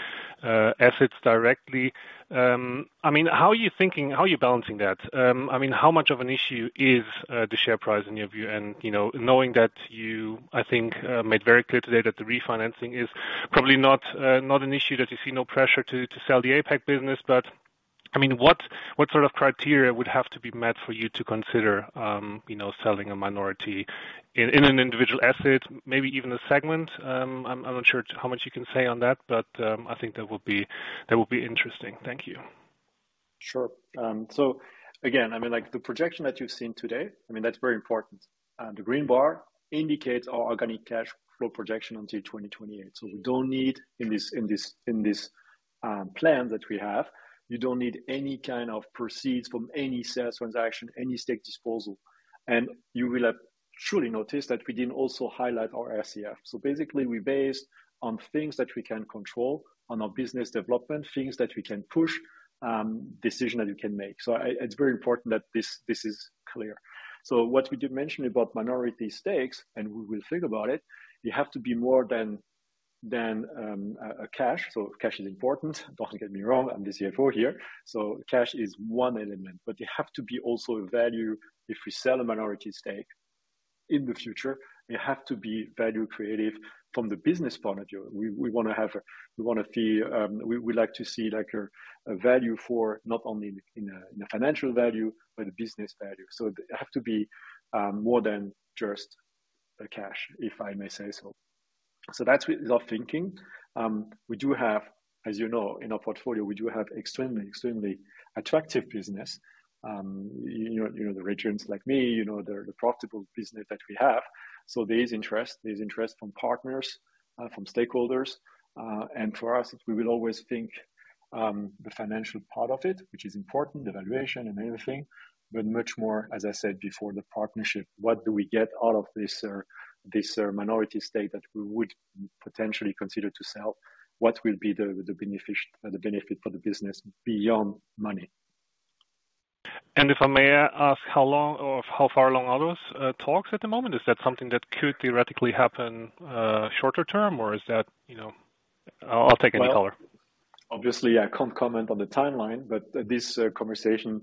assets directly, I mean, how are you thinking, how are you balancing that? I mean, how much of an issue is the share price in your view? You know, knowing that you, I think, made very clear today that the refinancing is probably not, not an issue, that you see no pressure to sell the APAC business. I mean, what sort of criteria would have to be met for you to consider, you know, selling a minority in an individual asset, maybe even a segment? I'm not sure how much you can say on that, but, I think that would be, that would be interesting. Thank you. Sure. So again, I mean, like, the projection that you've seen today, I mean, that's very important. The green bar indicates our organic cash flow projection until 2028. So in this plan that we have, you don't need any kind of proceeds from any sales transaction, any stake disposal. And you will have truly noticed that we didn't also highlight our SCF. So basically, we based on things that we can control, on our business development, things that we can push, decision that we can make. So it's very important that this is clear. So what we did mention about minority stakes, and we will think about it, you have to be more than a cash. So cash is important. Don't get me wrong, I'm the CFO here. So cash is one element, but you have to be also a value. If we sell a minority stake in the future, you have to be value creative from the business point of view. We wanna have a, we wanna see, we like to see, like, a value for not only in a financial value, but a business value. So they have to be more than just a cash, if I may say so. So that's our thinking. We do have, as you know, in our portfolio, we do have extremely attractive business. You know, the regions like MENA, you know, the profitable business that we have. So there is interest, there's interest from partners from stakeholders. For us, we will always think the financial part of it, which is important, the valuation and everything, but much more, as I said before, the partnership. What do we get out of this minority stake that we would potentially consider to sell? What will be the benefit for the business beyond money? If I may ask, how long or how far along are those talks at the moment? Is that something that could theoretically happen shorter term, or is that, you know, I'll take any color. Well, obviously, I can't comment on the timeline, but this conversation,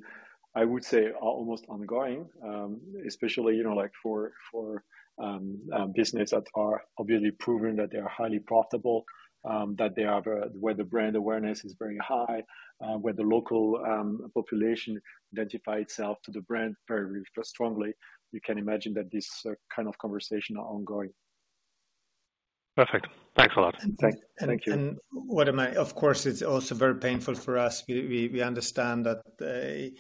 I would say, are almost ongoing, especially, you know, like, for business that are obviously proven that they are highly profitable, where the brand awareness is very high, where the local population identify itself to the brand very, very strongly. You can imagine that this kind of conversation are ongoing. Perfect. Thanks a lot. Thanks. Thank you. Of course, it's also very painful for us. We understand that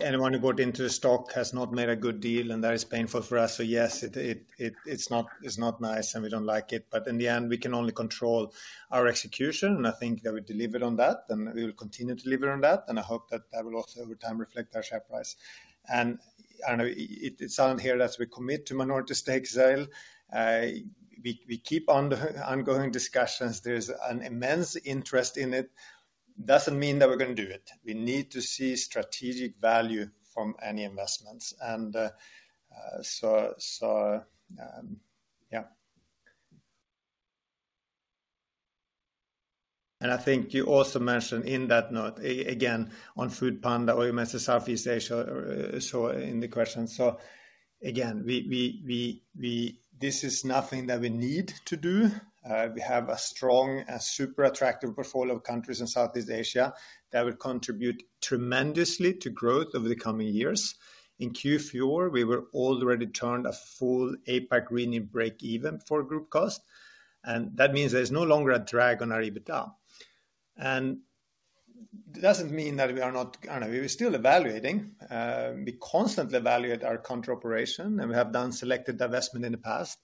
anyone who got into the stock has not made a good deal, and that is painful for us. So yes, it's not nice, and we don't like it. But in the end, we can only control our execution, and I think that we delivered on that, and we will continue to deliver on that. And I hope that that will also, over time, reflect our share price. And I know it's on here that we commit to minority stake sale. We keep on the ongoing discussions. There's an immense interest in it. Doesn't mean that we're gonna do it. We need to see strategic value from any investments. So, yeah. And I think you also mentioned in that note, again, on foodpanda, or you mentioned Southeast Asia, so in the question. So again, this is nothing that we need to do. We have a strong and super attractive portfolio of countries in Southeast Asia that will contribute tremendously to growth over the coming years. In Q4, we were already turned a full APAC green break even for group cost, and that means there's no longer a drag on our EBITDA. And it doesn't mean that we are not, I don't know, we're still evaluating. We constantly evaluate our core operation, and we have done selected divestment in the past,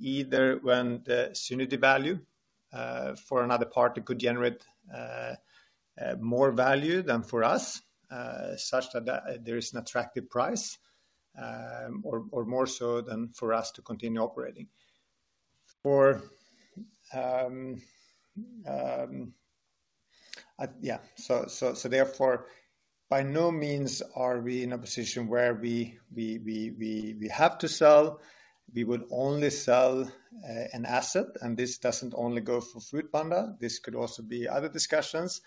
either when the synergy value for another party could generate more value than for us, such that there is an attractive price, or more so than for us to continue operating. So therefore, by no means are we in a position where we have to sell. We would only sell an asset, and this doesn't only go for foodpanda, this could also be other discussions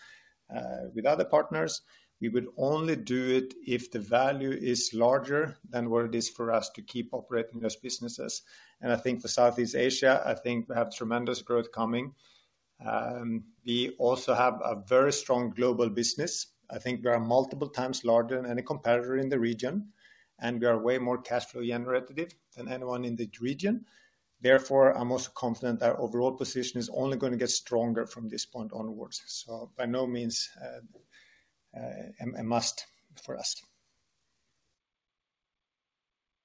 with other partners. We would only do it if the value is larger than what it is for us to keep operating those businesses. And I think for Southeast Asia, I think we have tremendous growth coming. We also have a very strong global business. I think we are multiple times larger than any competitor in the region, and we are way more cash flow generative than anyone in the region. Therefore, I'm also confident our overall position is only gonna get stronger from this point onwards. So by no means a must for us.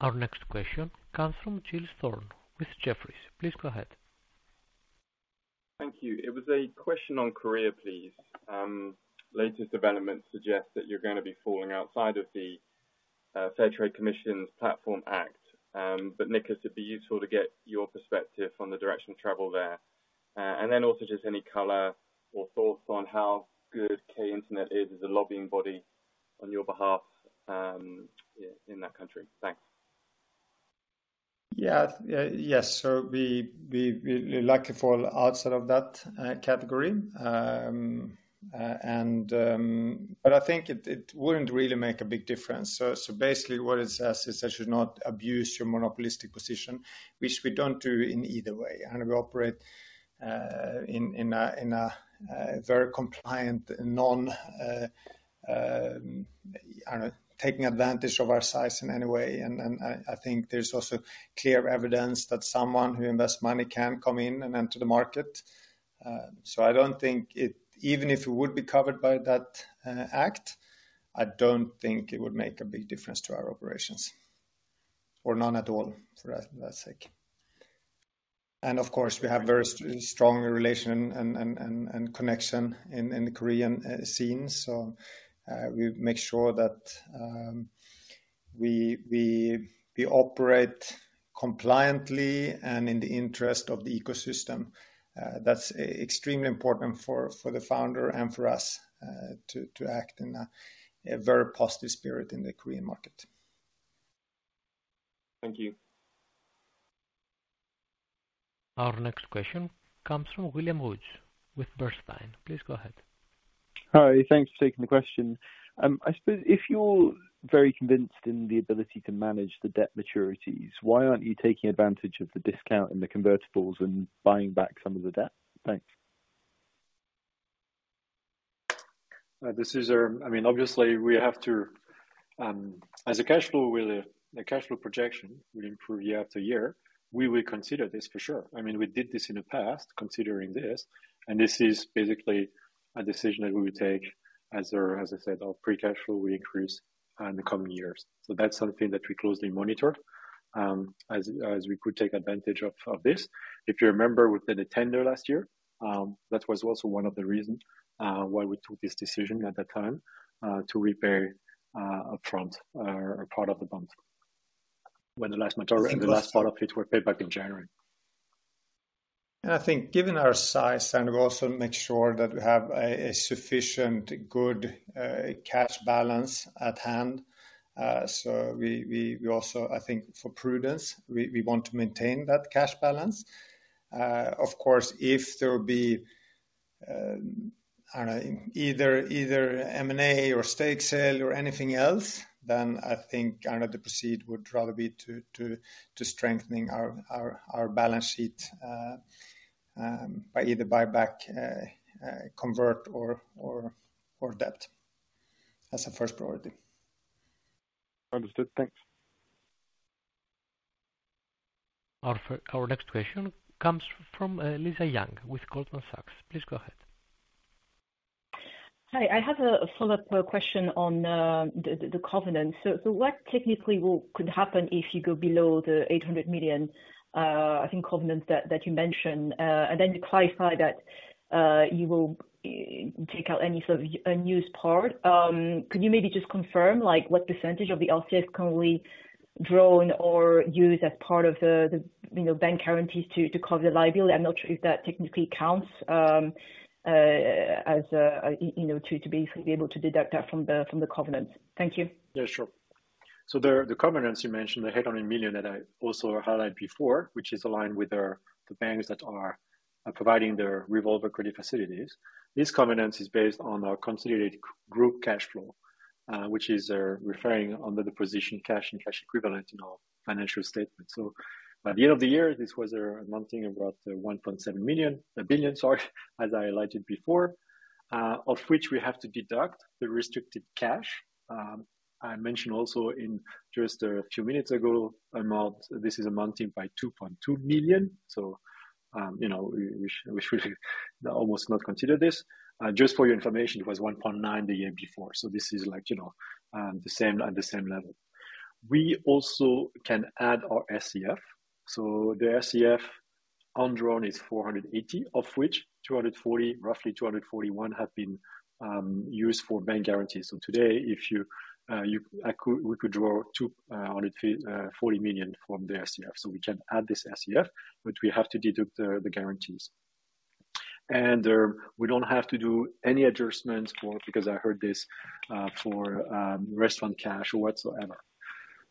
Our next question comes from Giles Thorne with Jefferies. Please go ahead. Thank you. It was a question on Korea, please. Latest developments suggest that you're gonna be falling outside of the Fair Trade Commission's Platform Act. But Niklas, it'd be useful to get your perspective on the direction of travel there. And then also just any color or thoughts on how good K-Internet is as a lobbying body on your behalf, yeah, in that country? Thanks. Yeah, yes, so we luckily fall outside of that category. But I think it wouldn't really make a big difference. So basically what it says is that you should not abuse your monopolistic position, which we don't do in either way. And we operate in a very compliant, non, I don't know, taking advantage of our size in any way. And I think there's also clear evidence that someone who invests money can come in and enter the market. So I don't think it, even if we would be covered by that act, I don't think it would make a big difference to our operations, or none at all, for that sake. And of course, we have very strong relation and connection in the Korean scene. So, we make sure that we operate compliantly and in the interest of the ecosystem. That's extremely important for the founder and for us to act in a very positive spirit in the Korean market. Thank you. Our next question comes from William Woods with Bernstein. Please go ahead. Hi, thanks for taking the question. I suppose if you're very convinced in the ability to manage the debt maturities, why aren't you taking advantage of the discount in the convertibles and buying back some of the debt? Thanks. This is our - I mean, obviously, we have to, as cash flow will, the cash flow projection will improve year after year, we will consider this for sure. I mean, we did this in the past, considering this, and this is basically a decision that we will take as our, as I said, our free cash flow will increase in the coming years. So that's something that we closely monitor, as we could take advantage of this. If you remember, we did a tender last year, that was also one of the reasons why we took this decision at that time, to repay upfront a part of the bond. When the last majority, the last part of it were paid back in January. I think given our size, and we also make sure that we have a sufficiently good cash balance at hand. So we also, I think for prudence, we want to maintain that cash balance. Of course, if there will be, I don't know, either M&A or stake sale or anything else, then I think, I don't know, the proceeds would rather be to strengthening our balance sheet by either buy back, convert or debt. That's the first priority. Understood. Thanks. Our next question comes from Lisa Yang with Goldman Sachs. Please go ahead. Hi, I have a follow-up question on the covenants. So what technically will, could happen if you go below the 800 million, I think, covenants that you mentioned, and then you clarify that you will take out any sort of unused part. Could you maybe just confirm, like, what percentage of the RCF can we drawn or use as part of the, the, you know, bank guarantees to cover the liability? I'm not sure if that technically counts, as a, you know, to be able to deduct that from the, from the covenants. Thank you. Yeah, sure. So the covenants you mentioned, the 800 million, that I also highlighted before, which is aligned with our... The banks that are providing their revolver credit facilities. This covenant is based on our consolidated group cash flow, which is referring under the position, cash and cash equivalents in our financial statements. So by the end of the year, this was amounting about 1.7 billion, sorry, as I highlighted before, of which we have to deduct the restricted cash. I mentioned also just a few minutes ago, amount, this is amounting 2.2 billion. So, you know, we should almost not consider this. Just for your information, it was 1.9 billion the year before. So this is like, you know, the same, at the same level. We also can add our SCF. So the SCF undrawn is 480 million, of which 240, roughly 241, have been used for bank guarantees. So today, if you, we could draw 240 million from the SCF. So we can add this SCF, but we have to deduct the guarantees. And we don't have to do any adjustments for, because I heard this for restaurant cash whatsoever.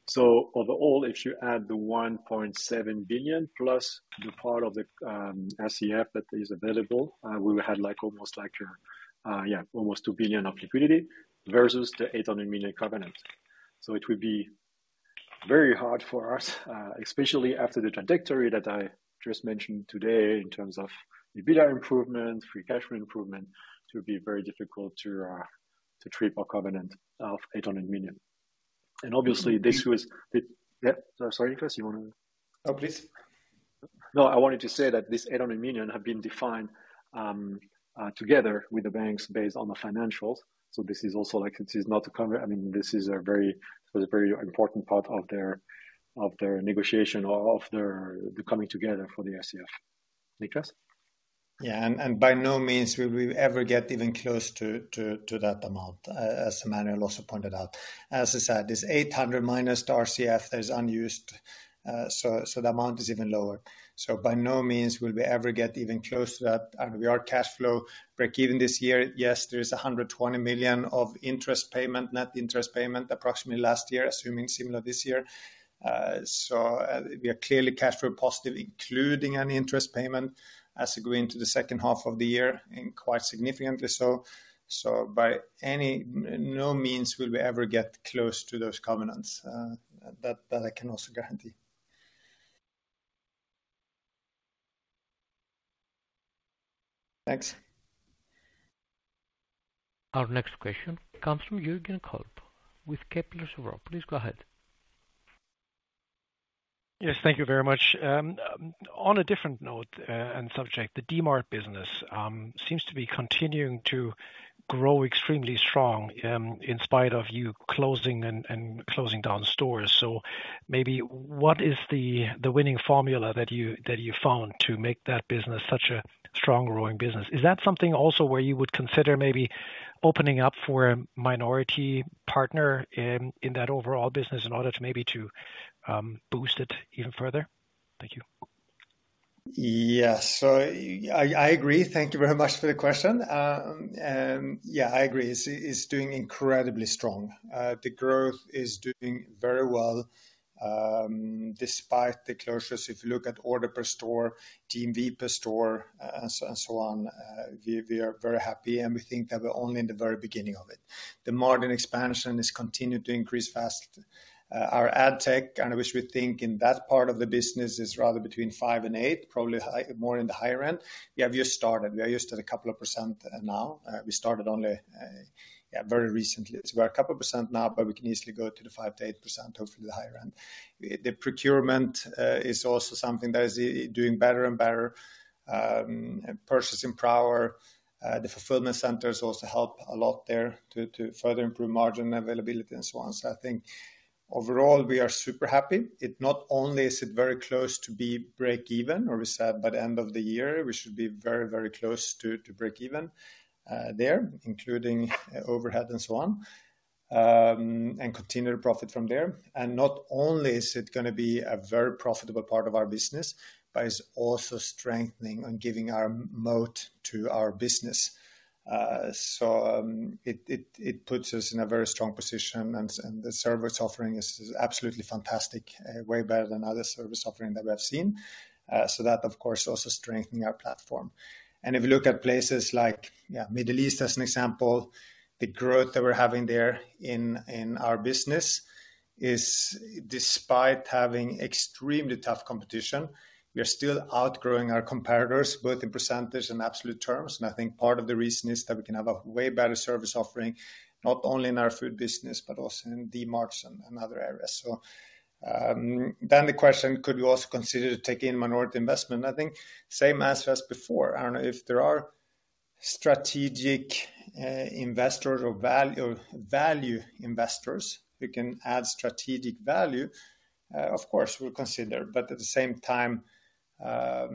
So overall, if you add the 1.7 billion plus the part of the SCF that is available, we will have like almost like your, yeah, almost 2 billion of liquidity versus the 800 million covenant. So it would be very hard for us, especially after the trajectory that I just mentioned today, in terms of EBITDA improvement, free cash flow improvement, to be very difficult to, to treat our covenant of 800 million. And obviously, this was the, Yeah, sorry, Niklas, you wanna? No, please. No, I wanted to say that this 800 million have been defined, together with the banks based on the financials. So this is also like, this is not a cover, I mean, this is a very, a very important part of their, of their negotiation or of their, the coming together for the SCF. Niklas? Yeah, and by no means will we ever get even close to that amount, as Emmanuel also pointed out. As I said, this 800 million minus the RCF is unused, so the amount is even lower. So by no means will we ever get even close to that. And our cash flow break even this year, yes, there is 120 million of interest payment, net interest payment, approximately last year, assuming similar this year. So we are clearly cash flow positive, including any interest payment, as we go into the second half of the year, and quite significantly so. So by no means will we ever get close to those covenants, that I can also guarantee. Thanks! Our next question comes from Jürgen Kolb with Kepler Cheuvreux. Please go ahead. Yes, thank you very much. On a different note and subject, the Dmart business seems to be continuing to grow extremely strong, in spite of you closing and closing down stores. So maybe what is the winning formula that you found to make that business such a strong growing business? Is that something also where you would consider maybe opening up for a minority partner in that overall business in order to maybe boost it even further? Thank you. Yes. So I, I agree. Thank you very much for the question. Yeah, I agree, it's doing incredibly strong. The growth is doing very well, despite the closures, if you look at order per store, GMV per store, and so, and so on, we are very happy, and we think that we're only in the very beginning of it. The margin expansion has continued to increase fast. Our ad tech, and which we think in that part of the business is rather between 5% and 8%, probably high, more in the higher end. We have just started. We are just at a couple of percent now. We started only, yeah, very recently. So we're a couple of percent now, but we can easily go to the 5%-8%, hopefully the higher end. The procurement is also something that is doing better and better, and purchasing power. The fulfillment centers also help a lot there to further improve margin availability and so on. So I think overall, we are super happy. It not only is it very close to be breakeven, or we said by the end of the year, we should be very, very close to breakeven there, including overhead and so on, and continue to profit from there. And not only is it gonna be a very profitable part of our business, but it's also strengthening and giving our moat to our business. It puts us in a very strong position, and the service offering is absolutely fantastic, way better than other service offering that we have seen. So that, of course, also strengthen our platform. And if you look at places like Middle East, as an example, the growth that we're having there in our business is despite having extremely tough competition, we are still outgrowing our competitors, both in percentage and absolute terms. And I think part of the reason is that we can have a way better service offering, not only in our food business, but also in Dmarts and other areas. So then the question, could you also consider taking minority investment? I think same as before, I don't know if there are strategic investors or value investors who can add strategic value, of course, we'll consider. But at the same time, I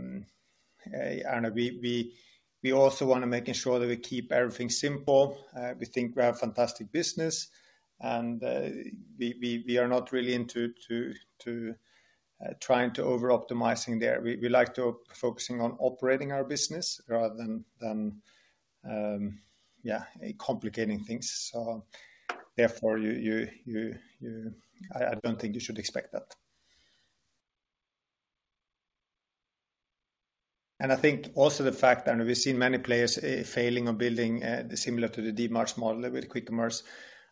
don't know, we also wanna making sure that we keep everything simple. We think we have a fantastic business, and we are not really into trying to over-optimizing there. We like to focusing on operating our business rather than complicating things. So therefore, you, I don't think you should expect that. And I think also the fact that we've seen many players failing on building similar to the Dmart model with quick commerce,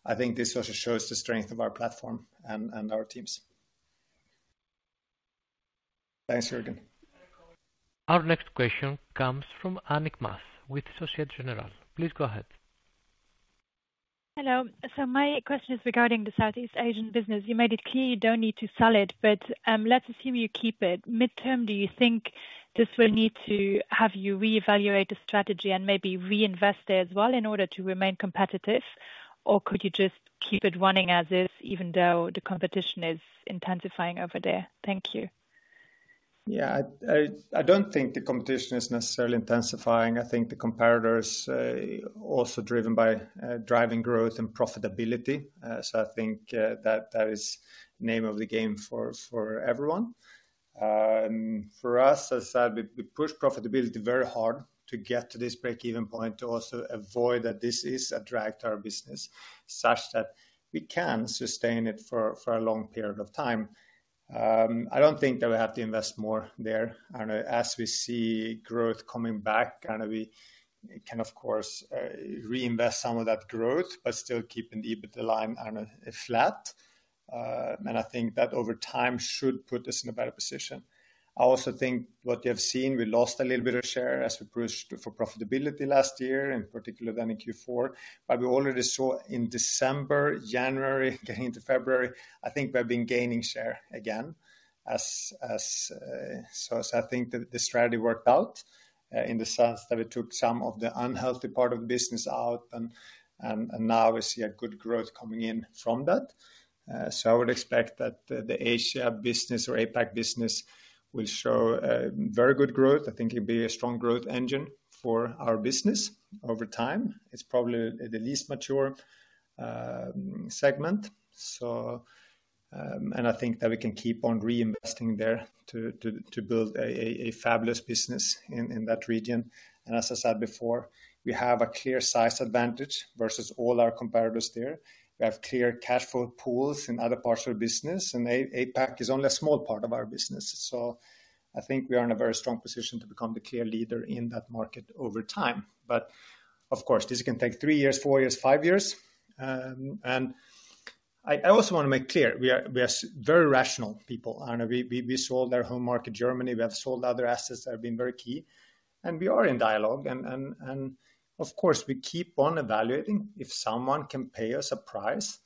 I think this also shows the strength of our platform and our teams. Thanks, Jürgen. Our next question comes from Annick Maas with Société Générale. Please go ahead. Hello. My question is regarding the Southeast Asian business. You made it clear you don't need to sell it, but, let's assume you keep it. Midterm, do you think this will need to have you reevaluate the strategy and maybe reinvest there as well in order to remain competitive? Or could you just keep it running as is, even though the competition is intensifying over there? Thank you. Yeah. I don't think the competition is necessarily intensifying. I think the competitors also driven by driving growth and profitability. So I think that is name of the game for everyone. For us, as I said, we push profitability very hard to get to this breakeven point, to also avoid that this is a drag to our business, such that we can sustain it for a long period of time. I don't think that we have to invest more there. I don't know, as we see growth coming back, kind of, we can, of course, reinvest some of that growth, but still keeping the EBITDA line on a flat. And I think that over time should put us in a better position. I also think what you have seen, we lost a little bit of share as we pushed for profitability last year, in particular in Q4. But we already saw in December, January, getting into February, I think we have been gaining share again, as. So I think the strategy worked out in the sense that we took some of the unhealthy part of the business out, and now we see a good growth coming in from that. So I would expect that the Asia business or APAC business will show very good growth. I think it'll be a strong growth engine for our business over time. It's probably the least mature segment. So, and I think that we can keep on reinvesting there to build a fabulous business in that region. As I said before, we have a clear size advantage versus all our competitors there. We have clear cash flow pools in other parts of our business, and APAC is only a small part of our business. So, I think we are in a very strong position to become the clear leader in that market over time. But of course, this can take three years, four years, five years. And I also want to make clear, we are very rational people, and we sold our home market, Germany, we have sold other assets that have been very key, and we are in dialogue. And of course, we keep on evaluating. If someone can pay us a price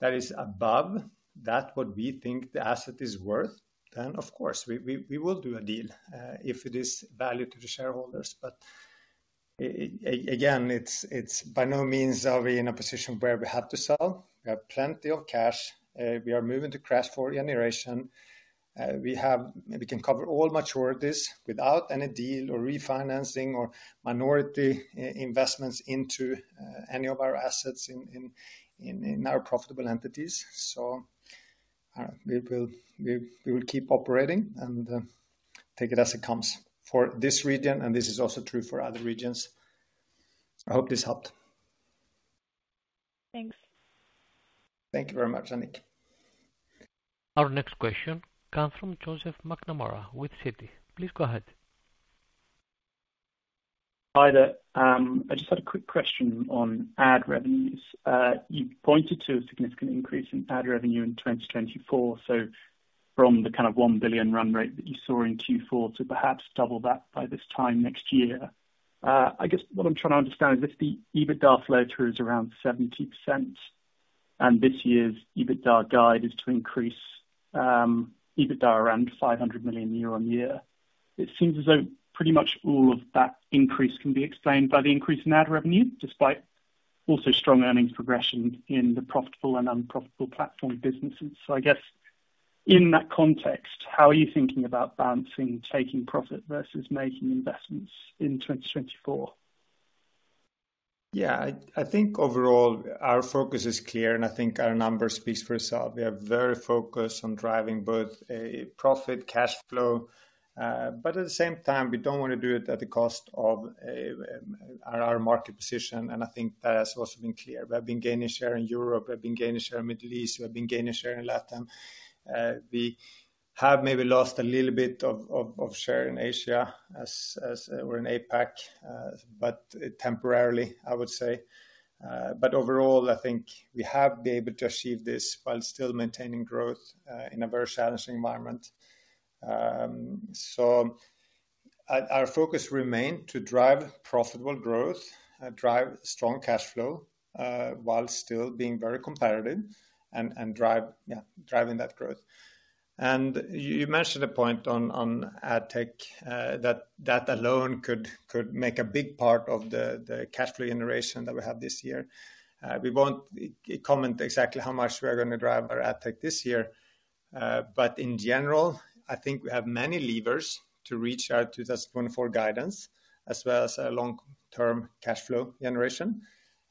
that is above that what we think the asset is worth, then of course, we will do a deal, if it is value to the shareholders. But, again, it's by no means are we in a position where we have to sell. We have plenty of cash, we are moving to cash flow generation, we can cover all maturities without any deal or refinancing or minority investments into any of our assets in our profitable entities. So, we will keep operating and take it as it comes for this region, and this is also true for other regions. I hope this helped. Thanks. Thank you very much, Annick. Our next question comes from Joseph McNamara with Citi. Please go ahead. Hi there. I just had a quick question on ad revenues. You pointed to a significant increase in ad revenue in 2024, so from the kind of 1 billion run rate that you saw in Q4 to perhaps double that by this time next year. I guess what I'm trying to understand is if the EBITDA flow through is around 70%, and this year's EBITDA guide is to increase EBITDA around 500 million year-on-year. It seems as though pretty much all of that increase can be explained by the increase in ad revenue, despite also strong earnings progression in the profitable and unprofitable platform businesses. So I guess, in that context, how are you thinking about balancing taking profit versus making investments in 2024? Yeah, I think overall, our focus is clear, and I think our numbers speaks for itself. We are very focused on driving both a profit, cash flow, but at the same time, we don't want to do it at the cost of our market position, and I think that has also been clear. We have been gaining share in Europe, we have been gaining share in Middle East, we have been gaining share in LATAM. We have maybe lost a little bit of share in Asia as we're in APAC, but temporarily, I would say. But overall, I think we have been able to achieve this while still maintaining growth in a very challenging environment. So our focus remain to drive profitable growth, drive strong cash flow, while still being very competitive and drive, Yeah, driving that growth. And you mentioned a point on ad tech, that alone could make a big part of the cash flow generation that we have this year. We won't comment exactly how much we are gonna drive our ad tech this year, but in general, I think we have many levers to reach out to the 2024 guidance, as well as our long-term cash flow generation.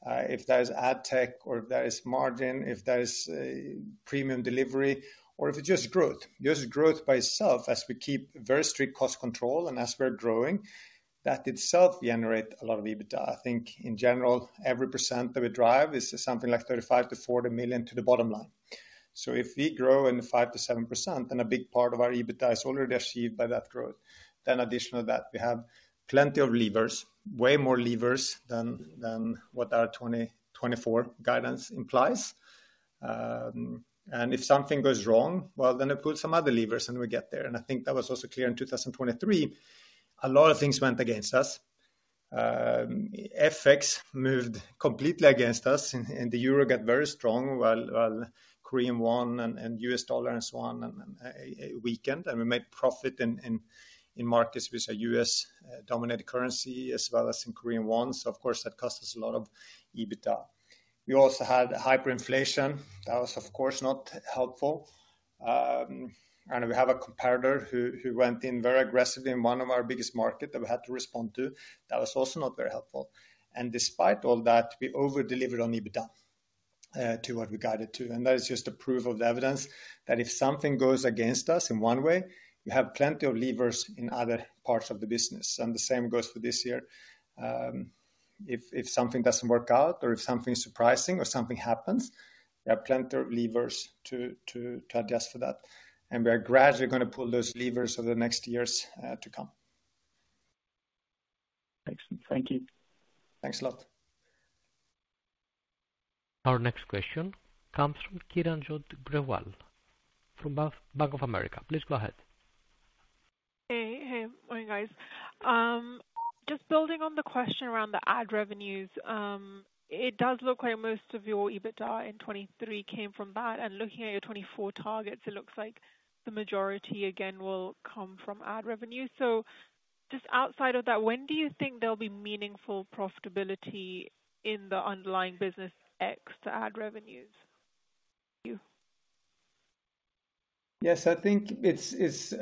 If that is ad tech or if that is margin, if that is premium delivery, or if it's just growth. Just growth by itself, as we keep very strict cost control and as we're growing, that itself generate a lot of EBITDA. I think in general, every percent that we drive is something like 35-40 million to the bottom line. So if we grow in the 5%-7%, and a big part of our EBITDA is already achieved by that growth, then additional to that, we have plenty of levers, way more levers than what our 2024 guidance implies. And if something goes wrong, well, then I pull some other levers, and we get there. And I think that was also clear in 2023. A lot of things went against us. FX moved completely against us, and the euro got very strong, while Korean won and U.S. dollar and so on weakened. And we made profit in markets with a US-dominated currency as well as in Korean won. So of course, that cost us a lot of EBITDA. We also had hyperinflation. That was, of course, not helpful. And we have a competitor who went in very aggressively in one of our biggest market that we had to respond to. That was also not very helpful. And despite all that, we over-delivered on EBITDA to what we guided to. And that is just a proof of the evidence that if something goes against us in one way, we have plenty of levers in other parts of the business, and the same goes for this year. If something doesn't work out or if something surprising or something happens, there are plenty of levers to adjust for that, and we are gradually gonna pull those levers over the next years to come. Excellent. Thank you. Thanks a lot. Our next question comes from Kiranjot Grewal from Bank of America. Please go ahead. Hey, hey, morning, guys. Just building on the question around the ad revenues, it does look like most of your EBITDA in 2023 came from that, and looking at your 2024 targets, it looks like the majority, again, will come from ad revenue. So just outside of that, when do you think there'll be meaningful profitability in the underlying business ex ad revenues? Thank you. Yes, I think it's, it's,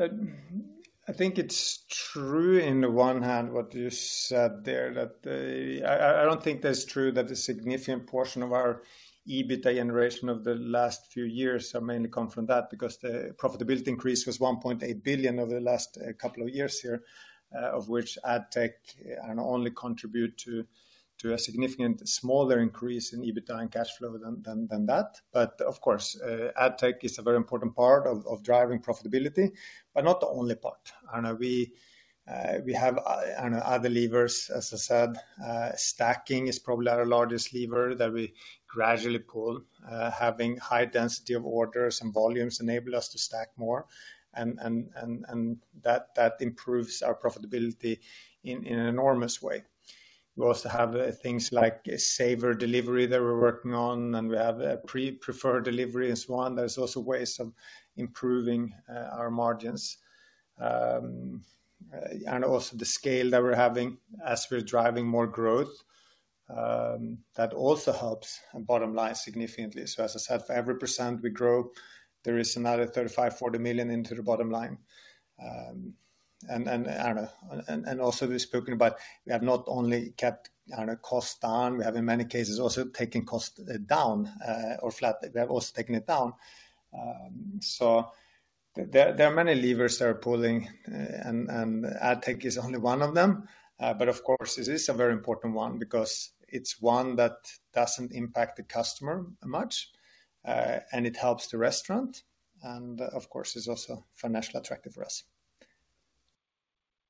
I think it's true on the one hand, what you said there, that, I don't think that's true, that a significant portion of our EBITDA generation of the last few years has mainly come from that, because the profitability increase was 1.8 billion over the last couple of years here, of which ad tech only contributed to a significantly smaller increase in EBITDA and cash flow than that. But of course, ad tech is a very important part of driving profitability, but not the only part. I know we have, I know other levers, as I said, stacking is probably our largest lever that we gradually pull. Having high density of orders and volumes enable us to stack more and that improves our profitability in an enormous way. We also have things like saver delivery that we're working on, and we have pre-preferred delivery as one. There's also ways of improving our margins. And also the scale that we're having as we're driving more growth, that also helps the bottom line significantly. So as I said, for every % we grow, there is another 35-40 million into the bottom line. And also we've spoken about, we have not only kept costs down, we have in many cases also taken costs down or flat. We have also taken it down. So there are many levers that are pulling, and ad tech is only one of them. But of course, this is a very important one because it's one that doesn't impact the customer much, and it helps the restaurant, and of course, is also financially attractive for us.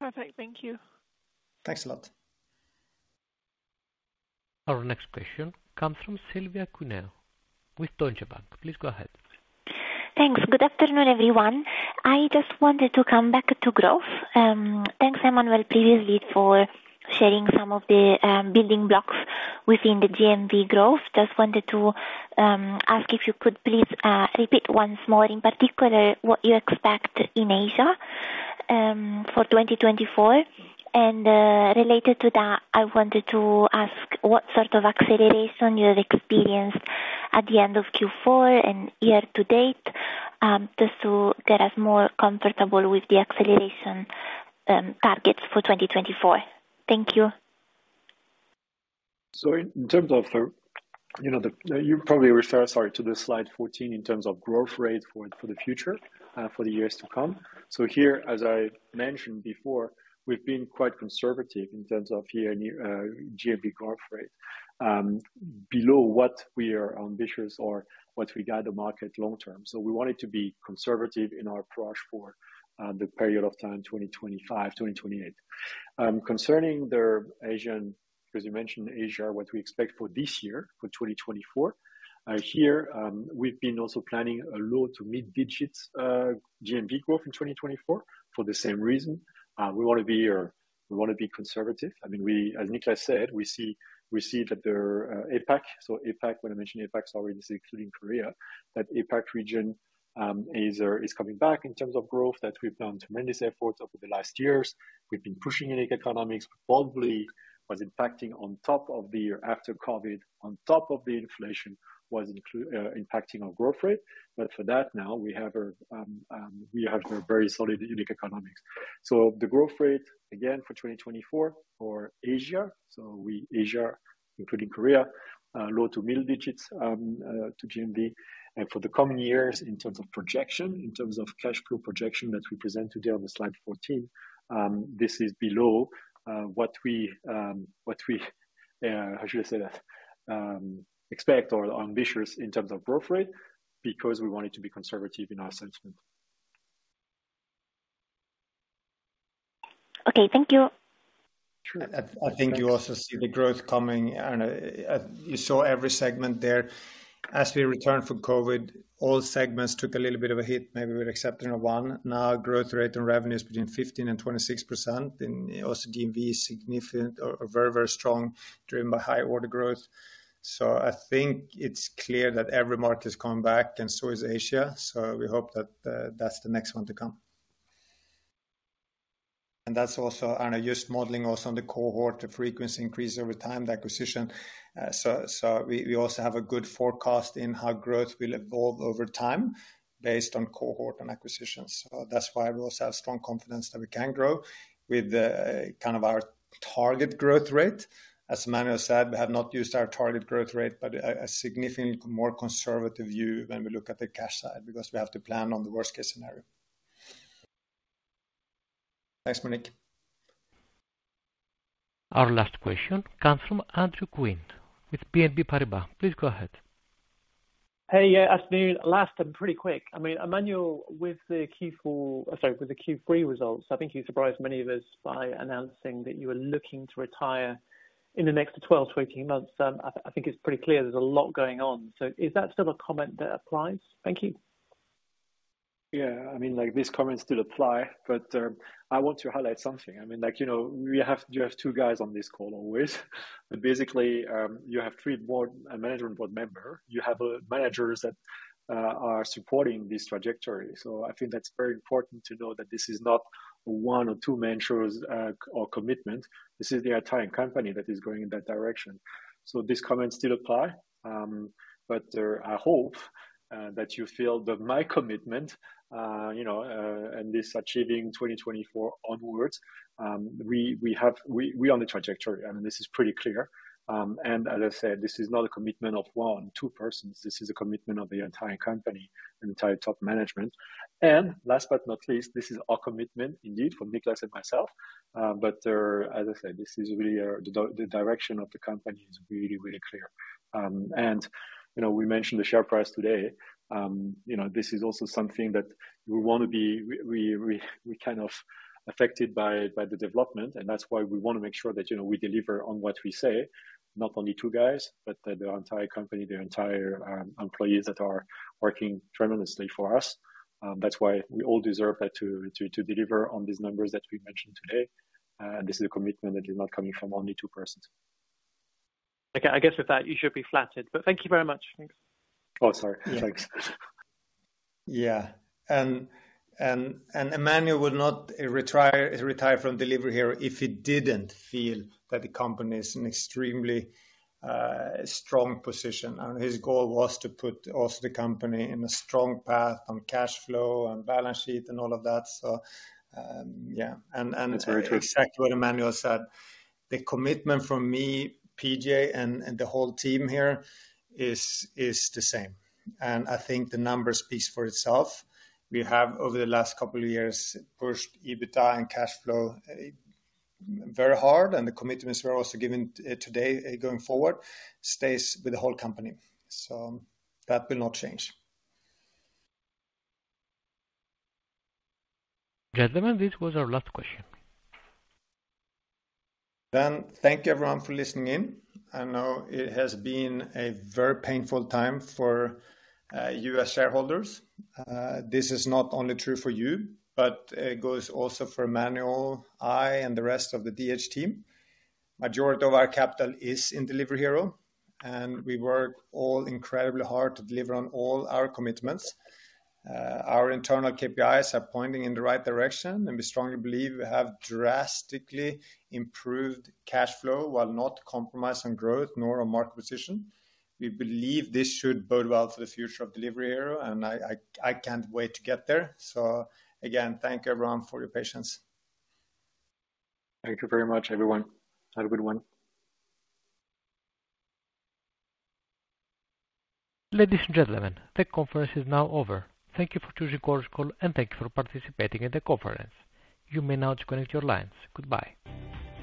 Perfect. Thank you. Thanks a lot. Our next question comes from Silvia Cuneo with Deutsche Bank. Please go ahead. Thanks. Good afternoon, everyone. I just wanted to come back to growth. Thanks, Emmanuel, previously for sharing some of the building blocks within the GMV growth. Just wanted to ask if you could please repeat once more, in particular, what you expect in Asia for 2024. And related to that, I wanted to ask what sort of acceleration you have experienced at the end of Q4 and year to date, just to get us more comfortable with the acceleration targets for 2024. Thank you. So in terms of the, you know, the, you probably refer, sorry, to the slide 14 in terms of growth rate for, for the future, for the years to come. So here, as I mentioned before, we've been quite conservative in terms of year, GMV growth rate, below what we are ambitious or what we guide the market long term. So we want it to be conservative in our approach for the period of time, 2025, 2028. Concerning the Asian, as you mentioned, Asia, what we expect for this year, for 2024, here, we've been also planning a low to mid digits GMV growth in 2024 for the same reason. We want to be or we want to be conservative. I mean, we, as Niklas said, we see, we see that there, APAC. So APAC, when I mention APAC, it's already including Korea, that APAC region, is coming back in terms of growth, that we've done tremendous efforts over the last years. We've been pushing unit economics, probably was impacting on top of the year after COVID, on top of the inflation, impacting our growth rate. But for that, now, we have our, we have a very solid, unit economics. So the growth rate, again, for 2024 for Asia, so Asia, including Korea, low to mid digits, to GMV. And for the coming years, in terms of projection, in terms of cash flow projection that we present today on the slide 14, this is below, what we, what we, how should I say that? Expect or ambitious in terms of growth rate, because we want it to be conservative in our assessment. Okay, thank you. I think you also see the growth coming, and you saw every segment there. As we returned from COVID, all segments took a little bit of a hit, maybe with exception of one. Now, growth rate and revenue is between 15% and 26%, and also GMV is significant, or very, very strong, driven by high order growth. So I think it's clear that every market has come back, and so is Asia. So we hope that that's the next one to come. And that's also, I know, just modeling also on the cohort, the frequency increase over time, the acquisition. So we also have a good forecast in how growth will evolve over time based on cohort and acquisitions. So that's why we also have strong confidence that we can grow with kind of our target growth rate. As Emmanuel said, we have not used our target growth rate, but a significantly more conservative view when we look at the cash side, because we have to plan on the worst-case scenario. Thanks. Our last question comes from Andrew Quinn with BNP Paribas. Please go ahead. Hey, yeah, afternoon. Last and pretty quick. I mean, Emmanuel, with the Q4, sorry, with the Q3 results, I think you surprised many of us by announcing that you were looking to retire in the next 12-18 months. I think it's pretty clear there's a lot going on. So is that still a comment that applies? Thank you. Yeah, I mean, like, these comments still apply, but I want to highlight something. I mean, like, you know, we have, you have two guys on this call always. But basically, you have three board, a management board member. You have managers that are supporting this trajectory. So I think that's very important to know that this is not one or two managers, or commitment. This is the entire company that is going in that direction. So these comments still apply, but I hope that you feel that my commitment, you know, and this achieving 2024 onwards, we have, we're on the trajectory, and this is pretty clear. And as I said, this is not a commitment of one, two persons. This is a commitment of the entire company and the entire top management. Last but not least, this is our commitment, indeed, from Niklas and myself. As I said, this is really the direction of the company is really, really clear. You know, we mentioned the share price today. You know, this is also something that we wanna be, we're kind of affected by the development, and that's why we wanna make sure that, you know, we deliver on what we say, not only two guys, but the entire company, the entire employees that are working tremendously for us. That's why we all deserve to deliver on these numbers that we mentioned today. This is a commitment that is not coming from only two persons. Okay, I guess with that, you should be flattered, but thank you very much. Thanks. Oh, sorry. Thanks. Yeah. And Emmanuel would not retire from Delivery Hero if he didn't feel that the company is in extremely strong position. And his goal was to put also the company in a strong path on cash flow and balance sheet and all of that. So, yeah. That's very true. It's exactly what Emmanuel said. The commitment from me, PJ, and the whole team here is the same, and I think the numbers speaks for itself. We have, over the last couple of years, pushed EBITDA and cash flow very hard, and the commitments we're also giving today, going forward, stays with the whole company. That will not change. Gentlemen, this was our last question. Then thank you everyone for listening in. I know it has been a very painful time for you as shareholders. This is not only true for you, but it goes also for Emmanuel, I, and the rest of the DH team. Majority of our capital is in Delivery Hero, and we work all incredibly hard to deliver on all our commitments. Our internal KPIs are pointing in the right direction, and we strongly believe we have drastically improved cash flow while not compromising growth nor our market position. We believe this should bode well for the future of Delivery Hero, and I, I, I can't wait to get there. So again, thank everyone for your patience. Thank you very much, everyone. Have a good one. Ladies and gentlemen, the conference is now over. Thank you for choosing this call, and thank you for participating in the conference. You may now disconnect your lines. Goodbye.